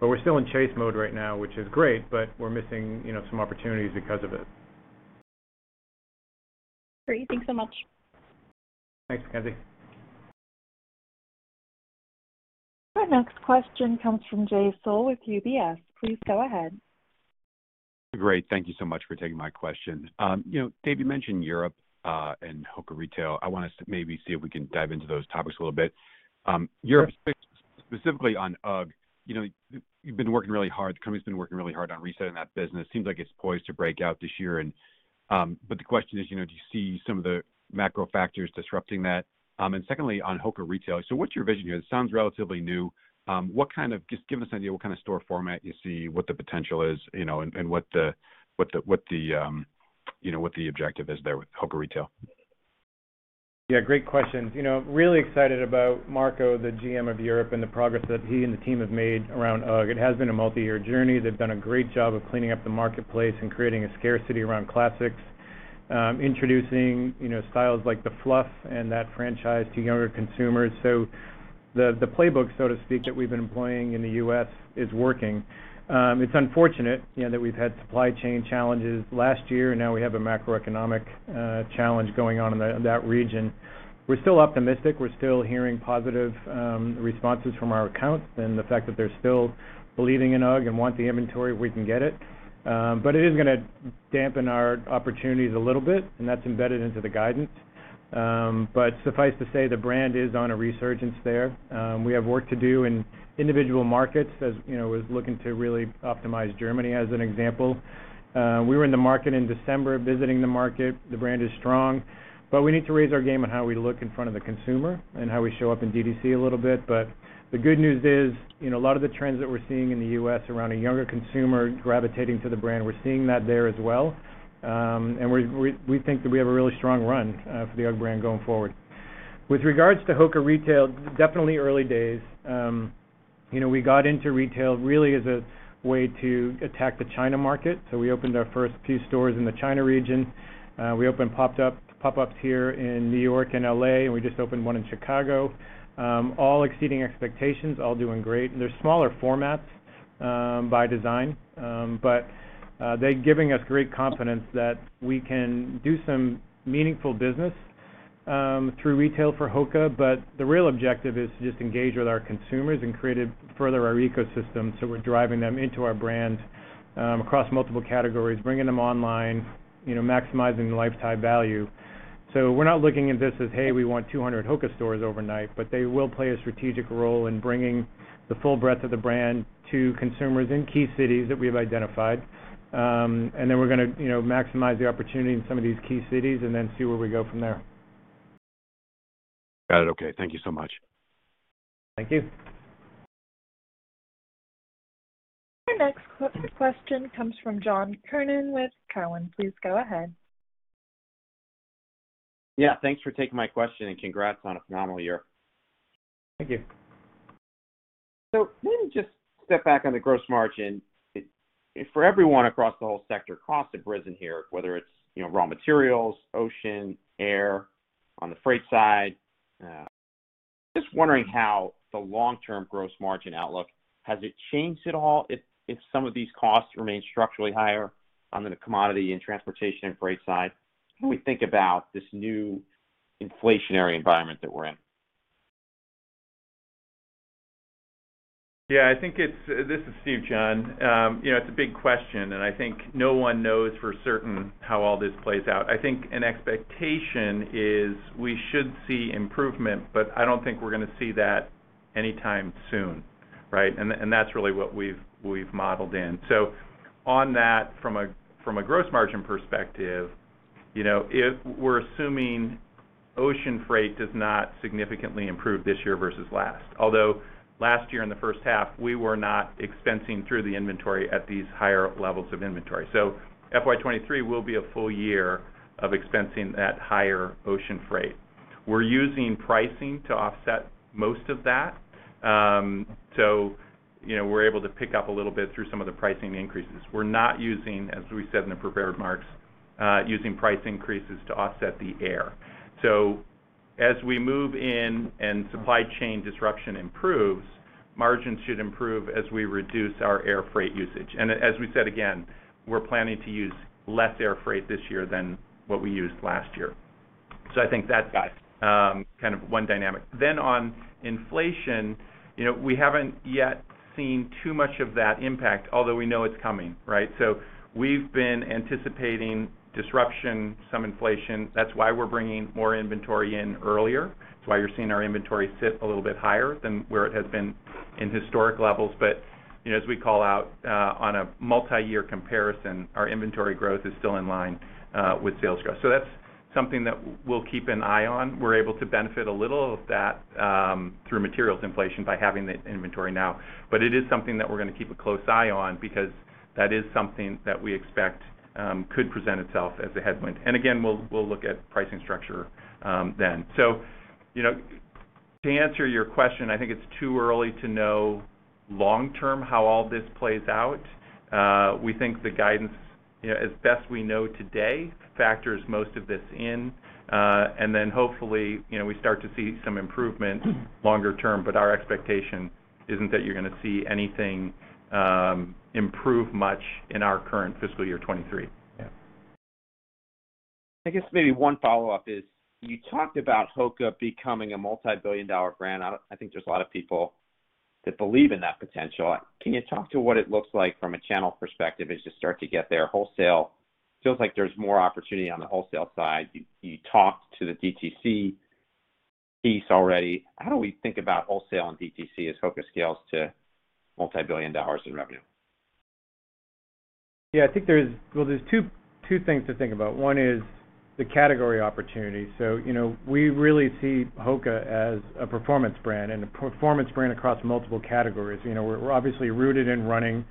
We're still in chase mode right now, which is great, but we're missing, you know, some opportunities because of it. Great. Thanks so much. Thanks, Mackenzie. Our next question comes from Jay Sole with UBS. Please go ahead. Great. Thank you so much for taking my question. You know, Dave, you mentioned Europe and HOKA Retail. I want us to maybe see if we can dive into those topics a little bit. Europe, specifically on UGG, you know, you've been working really hard, the company's been working really hard on resetting that business. It seems like it's poised to break out this year and the question is, you know, do you see some of the macro factors disrupting that? Secondly, on HOKA Retail. What's your vision here? It sounds relatively new. Just give us an idea what kind of store format you see, what the potential is, you know, and what the objective is there with HOKA Retail. Yeah, great questions. You know, really excited about Marco, the GM of Europe, and the progress that he and the team have made around UGG. It has been a multiyear journey. They've done a great job of cleaning up the marketplace and creating a scarcity around classics, introducing, you know, styles like the fluff and that franchise to younger consumers. So the playbook, so to speak, that we've been employing in the U.S. is working. It's unfortunate, you know, that we've had supply chain challenges last year, and now we have a macroeconomic challenge going on in that region. We're still optimistic. We're still hearing positive responses from our accounts and the fact that they're still believing in UGG and want the inventory if we can get it. It is gonna dampen our opportunities a little bit, and that's embedded into the guidance. Suffice to say, the brand is on a resurgence there. We have work to do in individual markets. As you know, we were looking to really optimize Germany as an example. We were in the market in December visiting the market. The brand is strong, but we need to raise our game on how we look in front of the consumer and how we show up in D2C a little bit. The good news is, you know, a lot of the trends that we're seeing in the U.S. around a younger consumer gravitating to the brand, we're seeing that there as well. We think that we have a really strong run for the UGG brand going forward. With regards to HOKA retail, definitely early days. You know, we got into retail really as a way to attack the China market, so we opened our first few stores in the China region. We opened pop-ups here in New York and L.A., and we just opened one in Chicago. All exceeding expectations, all doing great. They're smaller formats, by design. They're giving us great confidence that we can do some meaningful business, through retail for HOKA. The real objective is to just engage with our consumers and further our ecosystem, so we're driving them into our brand, across multiple categories, bringing them online, you know, maximizing the lifetime value. We're not looking at this as, "Hey, we want 200 HOKA stores overnight," but they will play a strategic role in bringing the full breadth of the brand to consumers in key cities that we have identified. We're gonna, you know, maximize the opportunity in some of these key cities and then see where we go from there. Got it. Okay. Thank you so much. Thank you. Our next question comes from John Kernan with Cowen. Please go ahead. Yeah, thanks for taking my question, and congrats on a phenomenal year. Thank you. Let me just step back on the gross margin. For everyone across the whole sector, costs have risen here, whether it's, you know, raw materials, ocean, air, on the freight side. Just wondering how the long-term gross margin outlook, has it changed at all if some of these costs remain structurally higher on the commodity and transportation and freight side? How do we think about this new inflationary environment that we're in? This is Steve, John. You know, it's a big question, and I think no one knows for certain how all this plays out. I think an expectation is we should see improvement, but I don't think we're gonna see that anytime soon, right? That's really what we've modeled in. On that, from a gross margin perspective, you know, if we're assuming ocean freight does not significantly improve this year versus last, although last year in the first half, we were not expensing through the inventory at these higher levels of inventory. FY 2023 will be a full year of expensing that higher ocean freight. We're using pricing to offset most of that. You know, we're able to pick up a little bit through some of the pricing increases. We're not using, as we said in the prepared remarks, using price increases to offset the air. As we move in and supply chain disruption improves, margins should improve as we reduce our air freight usage. As we said again, we're planning to use less air freight this year than what we used last year. I think that's kind of one dynamic. On inflation, you know, we haven't yet seen too much of that impact, although we know it's coming, right? We've been anticipating disruption, some inflation. That's why we're bringing more inventory in earlier. It's why you're seeing our inventory sit a little bit higher than where it has been in historic levels. You know, as we call out, on a multiyear comparison, our inventory growth is still in line with sales growth. That's something that we'll keep an eye on. We're able to benefit a little of that through materials inflation by having the inventory now. It is something that we're gonna keep a close eye on because that is something that we expect could present itself as a headwind. Again, we'll look at pricing structure then. You know, to answer your question, I think it's too early to know long term how all this plays out. We think the guidance, you know, as best we know today, factors most of this in, and then hopefully, you know, we start to see some improvement longer term, but our expectation isn't that you're gonna see anything improve much in our current fiscal year 2023. Yeah. I guess maybe one follow-up is you talked about HOKA becoming a multi-billion-dollar brand. I think there's a lot of people that believe in that potential. Can you talk to what it looks like from a channel perspective as you start to get there? Wholesale feels like there's more opportunity on the wholesale side. You talked to the DTC piece already. How do we think about wholesale and DTC as HOKA scales to multi-billion dollars in revenue? Yeah, I think there's two things to think about. One is the category opportunity. You know, we really see HOKA as a performance brand and a performance brand across multiple categories. You know, we're obviously rooted in running,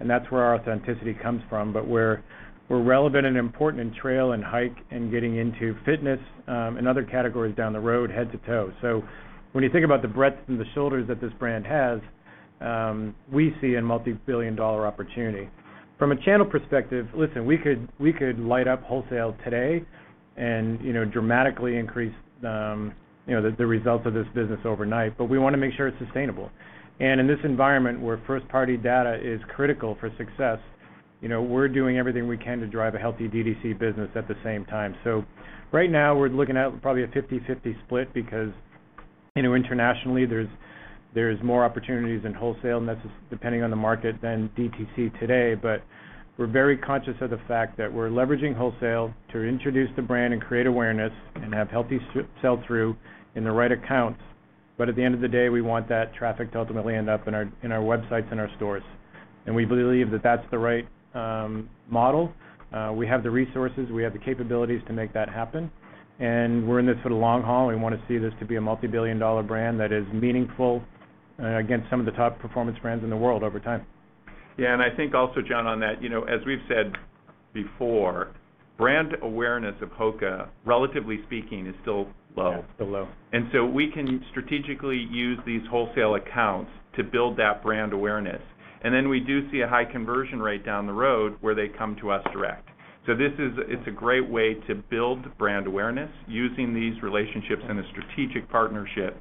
and that's where our authenticity comes from. We're relevant and important in trail and hike and getting into fitness, and other categories down the road, head to toe. When you think about the breadth and the shoulders that this brand has, we see a multi-billion dollar opportunity. From a channel perspective, listen, we could light up wholesale today and, you know, dramatically increase, you know, the results of this business overnight. We wanna make sure it's sustainable. In this environment where first-party data is critical for success, you know, we're doing everything we can to drive a healthy DTC business at the same time. Right now, we're looking at probably a 50/50 split because, you know, internationally, there's more opportunities in wholesale, and that's just depending on the market, than DTC today. We're very conscious of the fact that we're leveraging wholesale to introduce the brand and create awareness and have healthy sell-through in the right accounts. At the end of the day, we want that traffic to ultimately end up in our websites and our stores. We believe that that's the right model. We have the resources, we have the capabilities to make that happen, and we're in this for the long haul, and we wanna see this to be a multi-billion-dollar brand that is meaningful against some of the top performance brands in the world over time. Yeah. I think also, John, on that, you know, as we've said before, brand awareness of HOKA, relatively speaking, is still low. Yeah, still low. We can strategically use these wholesale accounts to build that brand awareness. We do see a high conversion rate down the road where they come to us direct. This is a great way to build brand awareness using these relationships in a strategic partnership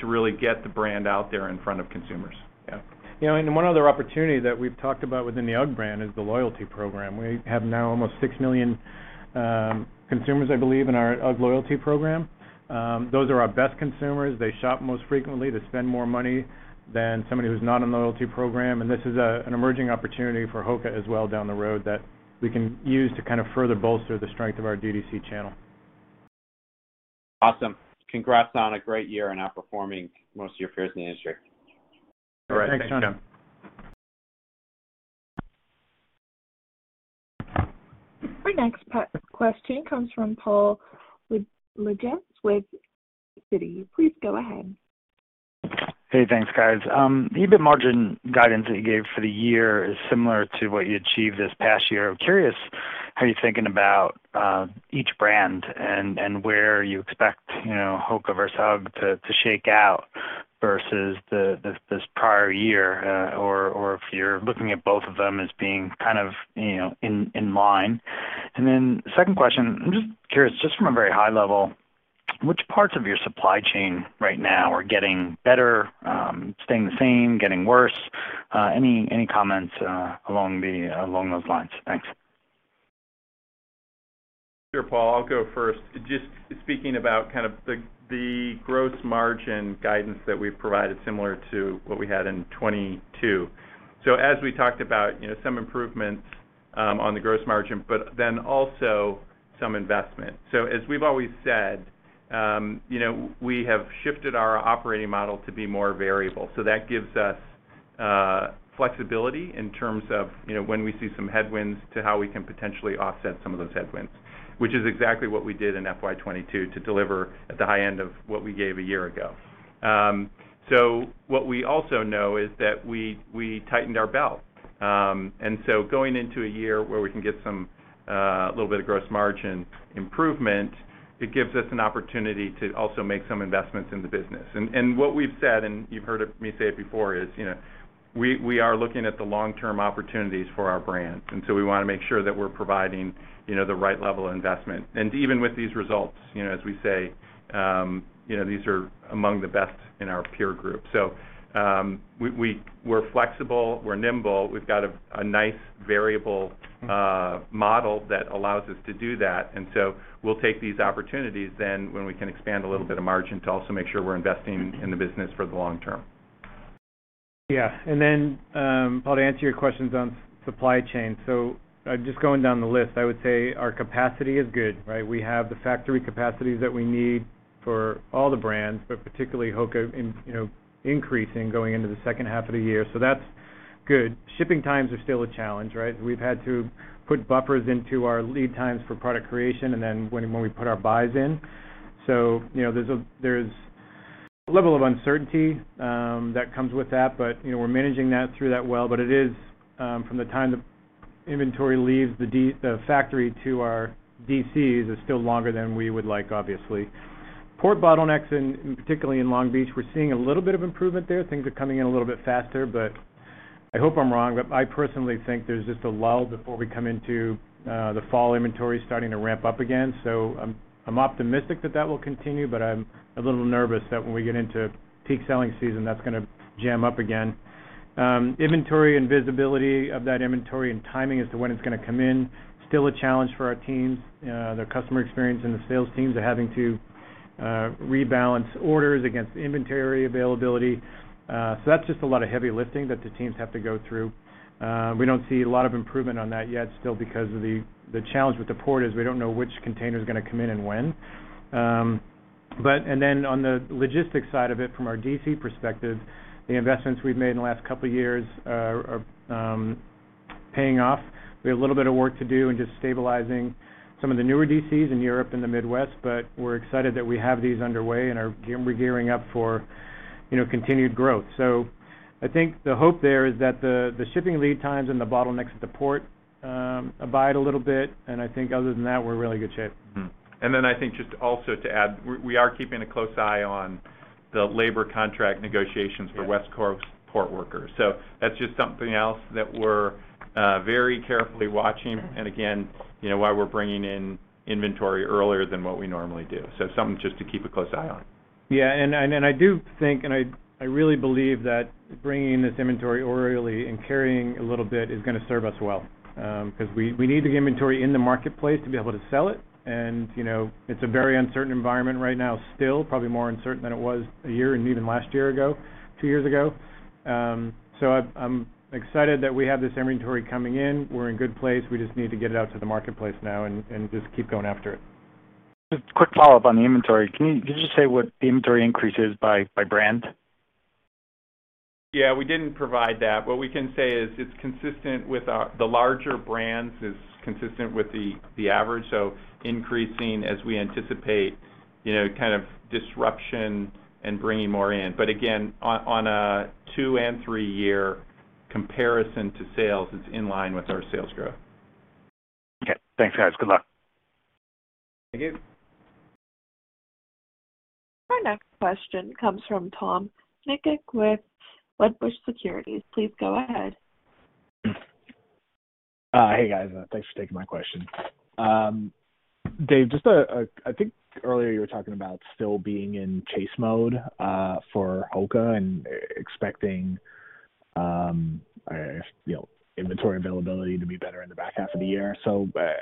to really get the brand out there in front of consumers. Yeah. You know, one other opportunity that we've talked about within the UGG brand is the loyalty program. We have now almost 6 million consumers, I believe, in our UGG loyalty program. Those are our best consumers. They shop most frequently. They spend more money than somebody who's not in the loyalty program. This is an emerging opportunity for HOKA as well down the road that we can use to kind of further bolster the strength of our DTC channel. Awesome. Congrats on a great year and outperforming most of your peers in the industry. All right. Thanks, John. Thanks, John. Our next question comes from Paul Lejuez with Citi. Please go ahead. Hey, thanks, guys. The EBIT margin guidance that you gave for the year is similar to what you achieved this past year. I'm curious how you're thinking about each brand and where you expect, you know, HOKA versus UGG to shake out versus this prior year, or if you're looking at both of them as being kind of, you know, in line. Second question, I'm just curious, just from a very high level, which parts of your supply chain right now are getting better, staying the same, getting worse? Any comments along those lines? Thanks. Sure, Paul. I'll go first. Just speaking about kind of the gross margin guidance that we've provided similar to what we had in 2022. As we talked about, you know, some improvements on the gross margin, but then also some investment. As we've always said, you know, we have shifted our operating model to be more variable. That gives us flexibility in terms of, you know, when we see some headwinds to how we can potentially offset some of those headwinds, which is exactly what we did in FY 2022 to deliver at the high end of what we gave a year ago. What we also know is that we tightened our belt. Going into a year where we can get some a little bit of gross margin improvement, it gives us an opportunity to also make some investments in the business. What we've said, and you've heard me say it before, is, you know, we are looking at the long-term opportunities for our brand, and so we wanna make sure that we're providing, you know, the right level of investment. Even with these results, you know, as we say, you know, these are among the best in our peer group. We're flexible, we're nimble. We've got a nice variable model that allows us to do that. We'll take these opportunities then when we can expand a little bit of margin to also make sure we're investing in the business for the long term. Yeah, Paul, to answer your questions on supply chain. Just going down the list, I would say our capacity is good, right? We have the factory capacities that we need for all the brands, but particularly HOKA in, you know, increasing going into the second half of the year. That's good. Shipping times are still a challenge, right? We've had to put buffers into our lead times for product creation and then when we put our buys in. You know, there's a level of uncertainty that comes with that. But, you know, we're managing that through that well. But it is, from the time the inventory leaves the factory to our DCs is still longer than we would like, obviously. Port bottlenecks particularly in Long Beach, we're seeing a little bit of improvement there. Things are coming in a little bit faster, but I hope I'm wrong, but I personally think there's just a lull before we come into the fall inventory starting to ramp up again. I'm optimistic that that will continue, but I'm a little nervous that when we get into peak selling season, that's gonna jam up again. Inventory and visibility of that inventory and timing as to when it's gonna come in still a challenge for our teams. The customer experience and the sales teams are having to rebalance orders against inventory availability. That's just a lot of heavy lifting that the teams have to go through. We don't see a lot of improvement on that yet still because of the challenge with the port. We don't know which container is gonna come in and when. On the logistics side of it from our DC perspective, the investments we've made in the last couple of years are paying off. We have a little bit of work to do in just stabilizing some of the newer DCs in Europe and the Midwest, but we're excited that we have these underway and are gearing up for, you know, continued growth. I think the hope there is that the shipping lead times and the bottlenecks at the port subside a little bit. I think other than that, we're in really good shape. Mm-hmm. Then I think just also to add, we are keeping a close eye on the labor contract negotiations for West Coast port workers. That's just something else that we're very carefully watching and again, you know, why we're bringing in inventory earlier than what we normally do. It's something just to keep a close eye on. Yeah. Then I do think I really believe that bringing in this inventory early and carrying a little bit is gonna serve us well, 'cause we need the inventory in the marketplace to be able to sell it and, you know, it's a very uncertain environment right now still, probably more uncertain than it was a year and even last year ago, two years ago. I'm excited that we have this inventory coming in. We're in a good place. We just need to get it out to the marketplace now and just keep going after it. Just a quick follow-up on the inventory. Could you just say what the inventory increase is by brand? Yeah, we didn't provide that. What we can say is it's consistent with the larger brands, is consistent with the average, so increasing as we anticipate, you know, kind of disruption and bringing more in. Again, on a 2- and 3-year comparison to sales, it's in line with our sales growth. Okay. Thanks, guys. Good luck. Thank you. Our next question comes from Tom Nikic with Wedbush Securities. Please go ahead. Hey, guys. Thanks for taking my question. Dave, I think earlier you were talking about still being in chase mode for HOKA and expecting, you know, inventory availability to be better in the back half of the year.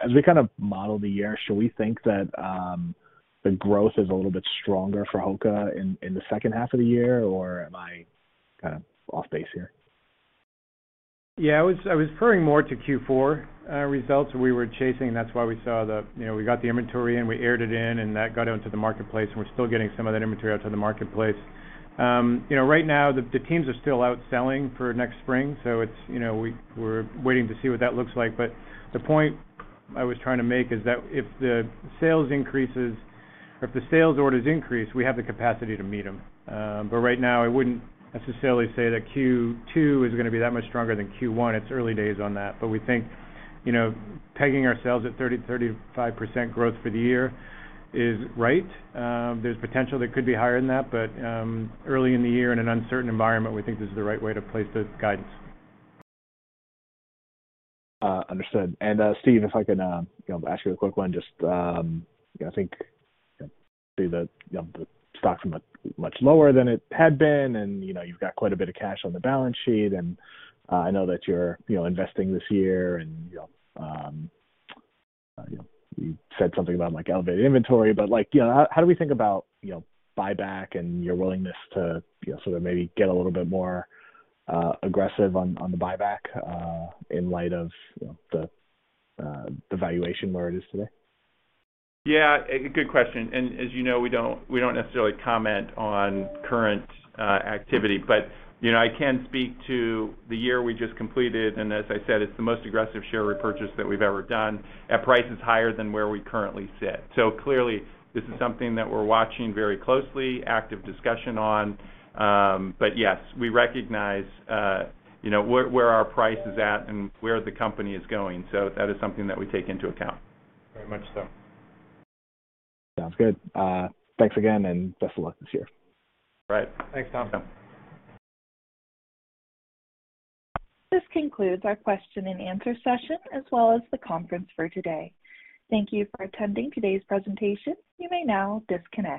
As we kind of model the year, should we think that the growth is a little bit stronger for HOKA in the second half of the year, or am I kinda off base here? Yeah. I was referring more to Q4 results we were chasing. That's why we saw, you know, we got the inventory in, we aired it in, and that got out into the marketplace, and we're still getting some of that inventory out to the marketplace. You know, right now the teams are still out selling for next spring, so it's, you know, we're waiting to see what that looks like. The point I was trying to make is that if the sales increases or if the sales orders increase, we have the capacity to meet them. Right now I wouldn't necessarily say that Q2 is gonna be that much stronger than Q1. It's early days on that. We think, you know, pegging ourselves at 30%-35% growth for the year is right. There's potential that could be higher than that, but early in the year in an uncertain environment, we think this is the right way to place the guidance. Understood. Steve, if I can, you know, ask you a quick one. Just, you know, I think that, you know, the stock's much lower than it had been and, you know, you've got quite a bit of cash on the balance sheet and, I know that you're, you know, investing this year and, you know, you said something about like elevated inventory. Like, you know, how do we think about, you know, buyback and your willingness to, you know, sort of maybe get a little bit more, aggressive on the buyback, in light of, you know, the valuation where it is today? Yeah. A good question. As you know, we don't necessarily comment on current activity. You know, I can speak to the year we just completed, and as I said, it's the most aggressive share repurchase that we've ever done at prices higher than where we currently sit. Clearly this is something that we're watching very closely, active discussion on. Yes, we recognize you know, where our price is at and where the company is going, so that is something that we take into account. Very much so. Sounds good. Thanks again, and best of luck this year. All right. Thanks, Tom. This concludes our question and answer session, as well as the conference for today. Thank you for attending today's presentation. You may now disconnect.